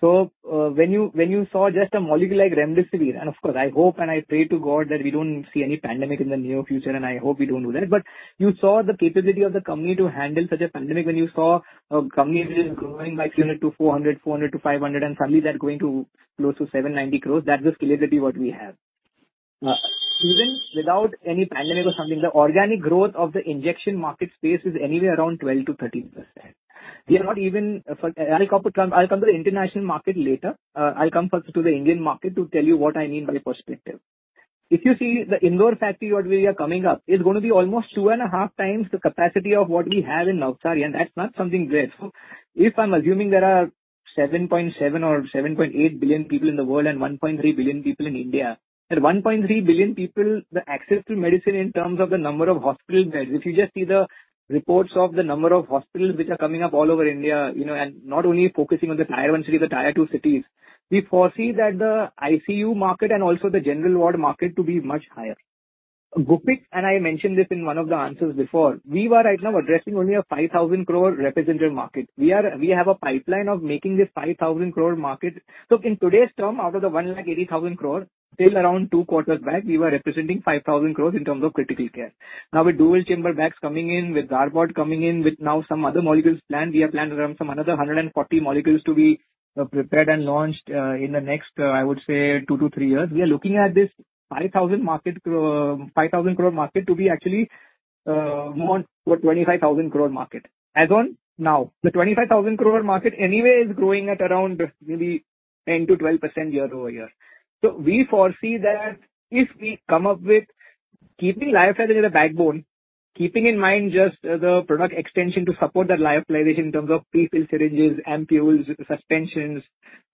When you saw just a molecule like Remdesivir, and of course, I hope and I pray to God that we don't see any pandemic in the near future, and I hope we don't do that. You saw the capacity of the company to handle such a pandemic when you saw a company which is growing by 300-400, 400-500, and suddenly they're going to close to 790 crores. That was scalability what we have. Even without any pandemic or something, the organic growth of the injection market space is anywhere around 12%-13%. I'll come to the international market later. I'll come first to the Indian market to tell you what I mean by the perspective. If you see the Indore factory, what we are coming up, it's gonna be almost two and a half times the capacity of what we have in Navsari, and that's not something great. If I'm assuming there are 7.7 or 7.8 billion people in the world and 1.3 billion people in India, that 1.3 billion people, the access to medicine in terms of the number of hospital beds, if you just see the reports of the number of hospitals which are coming up all over India, you know, and not only focusing on the tier one cities, the tier two cities, we foresee that the ICU market and also the general ward market to be much higher. Gufic, and I mentioned this in one of the answers before, we were right now addressing only an 5,000 crore representative market. We have a pipeline of making this 5,000 crore market. Look, in today's term, out of the 1,80,000 crore, till around two Quarters back, we were representing 5,000 crore in terms of critical care. Now, with Dual Chamber Bags coming in, with Darbepoetin coming in, with now some other molecules planned, we have planned around some another 140 molecules to be prepared and launched in the next, I would say 2-3 years. We are looking at this five thousand market, five thousand crore market to be actually more twenty-five thousand crore market as on now. The twenty-five thousand crore market anyway is growing at around maybe 10%-12% year-over-year. We foresee that if we come up with keeping lyophilization as the backbone, keeping in mind just the product extension to support that lyophilization in terms of pre-filled syringes, ampoules, suspensions,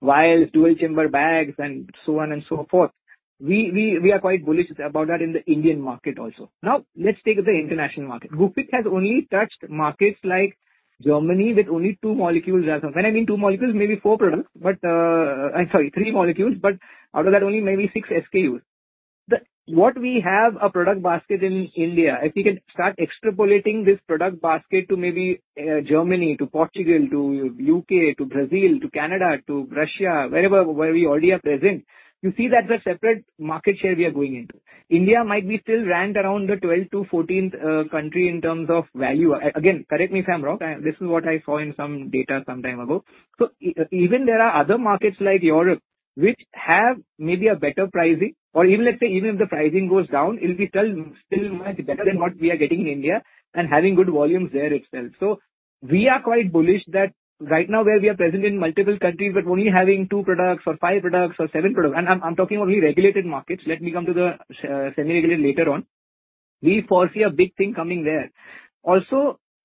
vials, dual chamber bags, and so on and so forth, we are quite bullish about that in the Indian market also. Now, let's take the international market. Gufic has only touched markets like Germany with only two molecules as of. When I mean two molecules, maybe four products, but, I'm sorry, three molecules, but out of that only maybe 6 SKUs. What we have a product basket in India, if we can start extrapolating this product basket to maybe Germany, to Portugal, to UK, to Brazil, to Canada, to Russia, wherever, where we already are present, you see that's a separate market share we are going into. India might be still ranked around the 12th-14th country in terms of value. Again, correct me if I'm wrong. This is what I saw in some data some time ago. Even there are other markets like Europe, which have maybe a better pricing, or even let's say even if the pricing goes down, it'll be still much better than what we are getting in India and having good volumes there itself. We are quite bullish that right now where we are present in multiple countries, but only having two products or five products or seven products, and I'm talking only regulated markets. Let me come to the semi-regulated later on. We foresee a big thing coming there.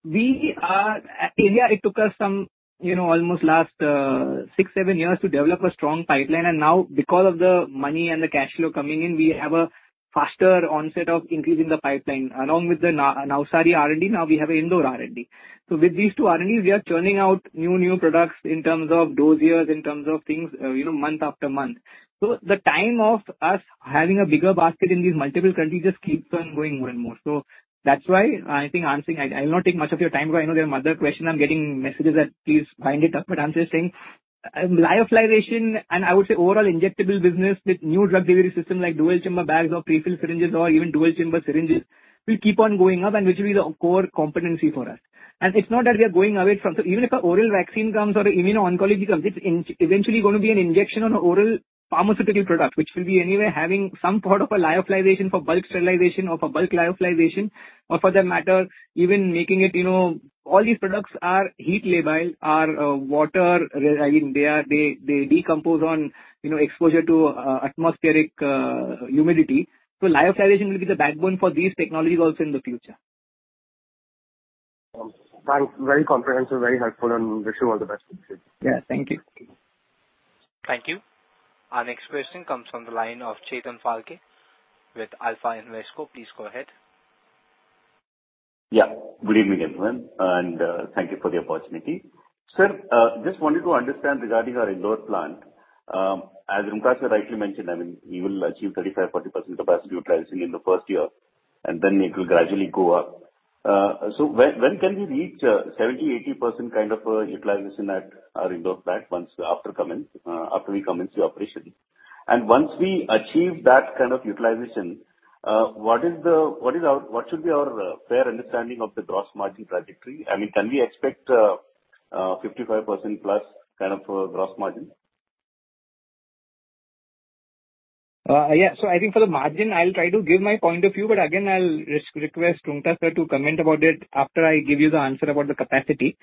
We are... In India it took us some, you know, almost the last 6-7 years to develop a strong pipeline, and now because of the money and the cash flow coming in, we have a faster onset of increasing the pipeline. Along with the Navsari R&D, now we have an Indore R&D. With these two R&Ds, we are churning out new products in terms of dossiers, in terms of things, you know, month after month. The time of us having a bigger basket in these multiple countries just keeps on going more and more. That's why I think answering. I will not take much of your time, because I know there are other questions. I'm getting messages that please wind it up. I'm just saying, lyophilization, and I would say overall injectable business with new drug delivery system like dual chamber bags or pre-filled syringes or even dual chamber syringes, will keep on going up and which will be the core competency for us. It's not that we are going away from. Even if an oral vaccine comes or immuno-oncology comes, it's inevitably gonna be an injection or an oral pharmaceutical product, which will be anyway having some form of a lyophilization for bulk sterilization or for bulk lyophilization. Or for that matter, even making it, you know, all these products are heat labile, I mean, they decompose on, you know, exposure to atmospheric humidity. Lyophilization will be the backbone for these technologies also in the future. Thanks. Very comprehensive, very helpful, and wish you all the best. Yeah. Thank you. Thank you. Our next question comes from the line of Chetan Phalke with Alpha Invesco. Please go ahead. Good evening, everyone, and thank you for the opportunity. Sir, just wanted to understand regarding our Indore plant. As Roonghta rightly mentioned, I mean, we will achieve 35%-40% capacity utilization in the first year, and then it will gradually go up. When can we reach 70%-80% kind of utilization at our Indore plant after we commence the operation? Once we achieve that kind of utilization, what should be our fair understanding of the gross margin trajectory? I mean, can we expect 55% plus kind of gross margin? Yeah. I think for the margin, I'll try to give my point of view, but again, I'll request Roonghta sir to comment about it after I give you the answer about the capacity.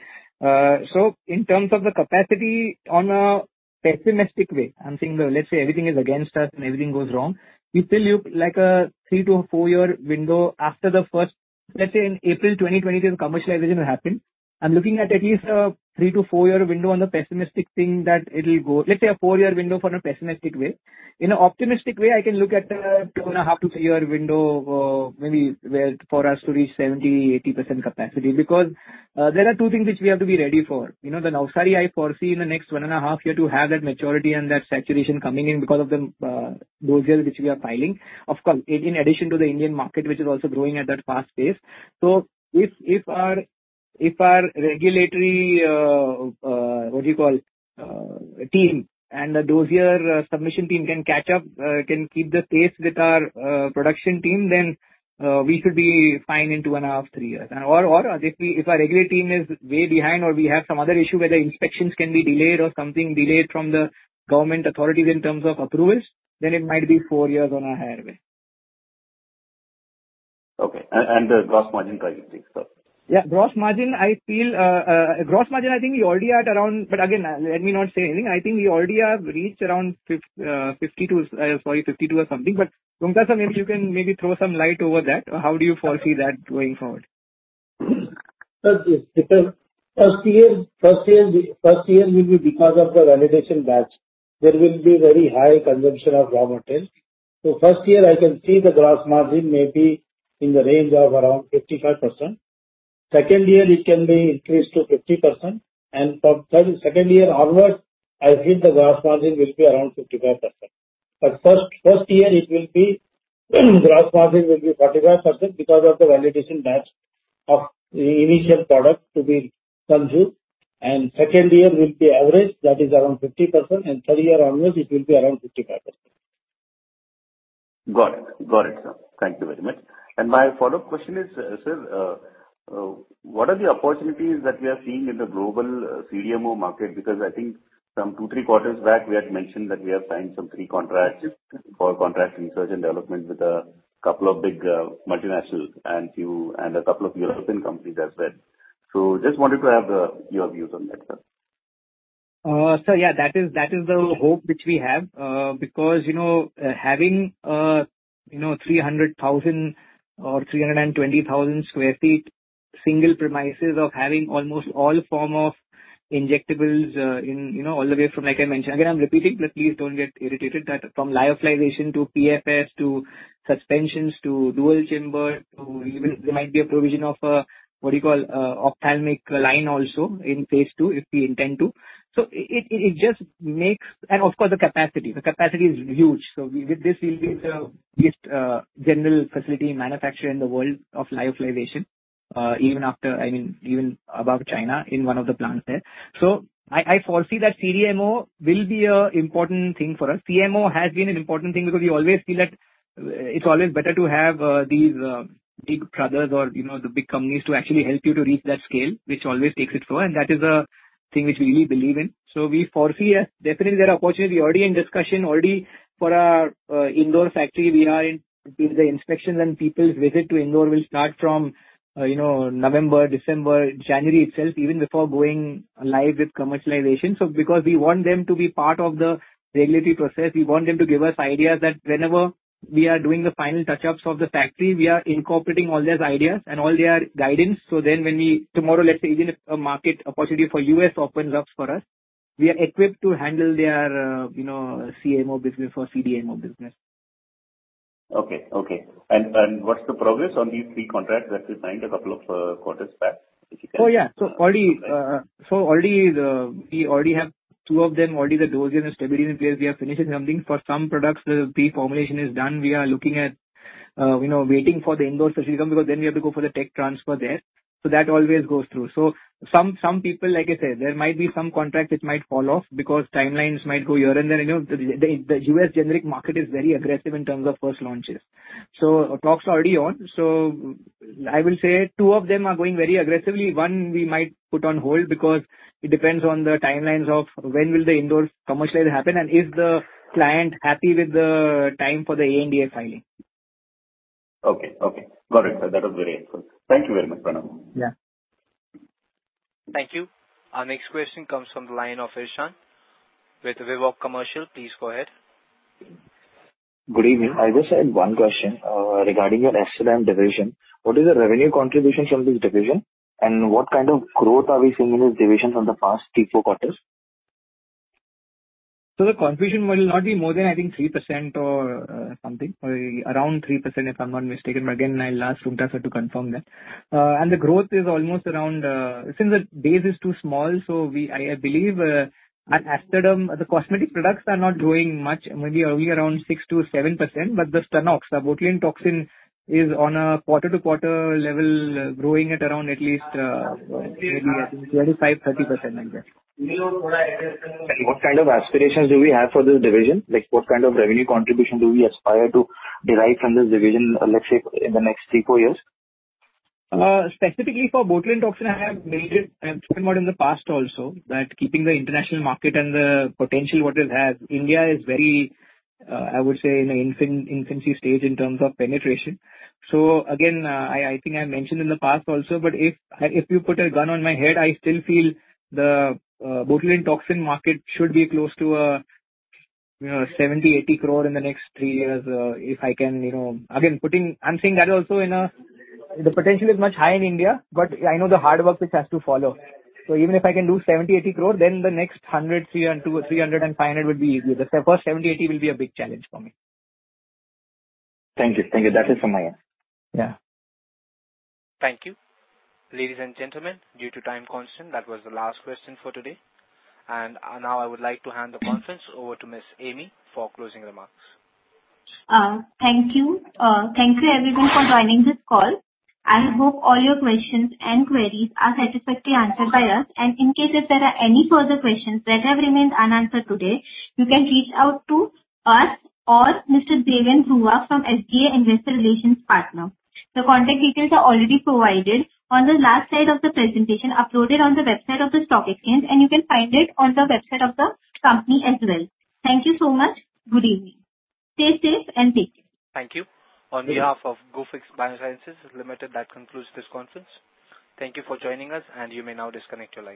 In terms of the capacity in a pessimistic way, I'm saying, let's say everything is against us and everything goes wrong, we still look like a 3- to 4-year window after the first. Let's say in April 2022, the commercialization will happen. I'm looking at least a 3- to 4-year window on the pessimistic thing that it'll go. Let's say a 4-year window for a pessimistic way. In an optimistic way, I can look at, 2.5- to 3-year window of, maybe where for us to reach 70%-80% capacity. Because, there are two things which we have to be ready for. You know, the Navsari I foresee in the next 1.5 years to have that maturity and that saturation coming in because of the dossiers which we are filing. Of course, in addition to the Indian market, which is also growing at that fast pace. If our regulatory what do you call team and the dossier submission team can catch up, can keep the pace with our production team, then we should be fine in 2.5, 3 years. Or if our regulatory team is way behind or we have some other issue where the inspections can be delayed or something delayed from the government authorities in terms of approvals, then it might be 4 years on the higher side. Okay. The gross margin trajectory, sir. Yeah. Gross margin, I feel, gross margin. I think we already are at around 52%. Let me not say anything. I think we already have reached around 52% or something. Devkinandan Roongta sir, maybe you can throw some light over that. How do you foresee that going forward? Sir, yes. Because first year will be because of the validation batch. There will be very high consumption of raw material. First year I can see the gross margin may be in the range of around 55%. Second year it can be increased to 50% and from third, second year onwards, I think the gross margin will be around 55%. First year it will be gross margin 45% because of the validation batch of the initial product to be consumed. Second year will be average, that is around 50% and third year onwards it will be around 55%. Got it, sir. Thank you very much. My follow-up question is, sir, what are the opportunities that we are seeing in the global CDMO market? Because I think some Q2 Q3 back, we had mentioned that we have signed some 3 contracts. Yes. for contract research and development with a couple of big multinationals and a few and a couple of European companies as well. Just wanted to have your views on that, sir. Yeah, that is the hope which we have. Because, you know, having 300,000 or 320,000 sq ft single premises of having almost all form of injectables, you know, all the way from, like I mentioned. Again, I'm repeating, but please don't get irritated that from lyophilization to PFS to suspensions to dual chamber to even there might be a provision of, what do you call, ophthalmic line also in phase two if we intend to. It just makes. Of course the capacity. The capacity is huge. With this we'll be the biggest general facility manufacturer in the world of lyophilization, even after, I mean, even above China in one of the plants there. I foresee that CDMO will be an important thing for us. CMO has been an important thing because we always feel that, it's always better to have, these, big brothers or, you know, the big companies to actually help you to reach that scale, which always takes it forward, and that is a thing which we really believe in. We foresee. Definitely there are opportunities. We're already in discussion for our Indore factory. We are in between the inspections and people's visit to Indore will start from, you know, November, December, January itself, even before going live with commercialization. Because we want them to be part of the regulatory process, we want them to give us ideas that whenever we are doing the final touch-ups of the factory, we are incorporating all their ideas and all their guidance. Then when we. Tomorrow, let's say even if a market opportunity for U.S. opens up for us, we are equipped to handle their, you know, CMO business or CDMO business. Okay. What's the progress on these 3 contracts that you signed a couple of quarters back, if you can? We already have two of them, the dossier and stability phase, we are finishing something. For some products the pre-formulation is done. We are looking at, you know, waiting for the Indore facility because then we have to go for the tech transfer there. That always goes through. Some people, like I said, there might be some contract which might fall off because timelines might go here and there. You know, the U.S. generic market is very aggressive in terms of first launches. Talks are already on. I will say two of them are going very aggressively. One we might put on hold because it depends on the timelines of when will the Indore commercialization happen and is the client happy with the time for the ANDA filing. Okay. Got it, sir. That was very helpful. Thank you very much, Pranav. Yeah. Thank you. Our next question comes from the line of Irshan with Vivek Commercial. Please go ahead. Good evening. I just had one question, regarding your Aesthaderm division. What is the revenue contribution from this division, and what kind of growth are we seeing in this division from the past Q3,Q4? The contribution will not be more than, I think, 3% or something. Around 3% if I'm not mistaken. Again, I'll ask Devkinandan Roonghta sir to confirm that. The growth is almost around, since the base is too small, I believe at Aesthaderm, the cosmetic products are not growing much, maybe only around 6%-7%, but the Stunnox, a botulinum toxin, is on a quarter-to-quarter level growing at around at least, maybe I think nearly 53%, I guess. What kind of aspirations do we have for this division? Like, what kind of revenue contribution do we aspire to derive from this division, let's say, in the next 3-4 years? Specifically for Botulinum toxin, I have mentioned it in the past also that keeping the international market and the potential what it has, India is very, I would say in an infancy stage in terms of penetration. I think I mentioned in the past also, but if you put a gun on my head, I still feel the Botulinum toxin market should be close to, you know, 70-80 crore in the next three years, if I can. The potential is much higher in India, but I know the hard work which has to follow. Even if I can do 70-80 crore, then the next 100 crore and 200, 300 and 500 would be easy. The first 70-80 will be a big challenge for me. Thank you. Thank you. That's it from my end. Yeah. Thank you. Ladies and gentlemen, due to time constraint, that was the last question for today. Now I would like to hand the conference over to Miss Ami for closing remarks. Thank you. Thank you everyone for joining this call. I hope all your questions and queries are satisfactorily answered by us. In case if there are any further questions that have remained unanswered today, you can reach out to us or Mr. Daven Bhruwa from SDA Investor Relations Partner. The contact details are already provided on the last slide of the presentation uploaded on the website of the stock exchange, and you can find it on the website of the company as well. Thank you so much. Good evening. Stay safe and take care. Thank you. On behalf of Gufic Biosciences Limited, that concludes this conference. Thank you for joining us, and you may now disconnect your lines.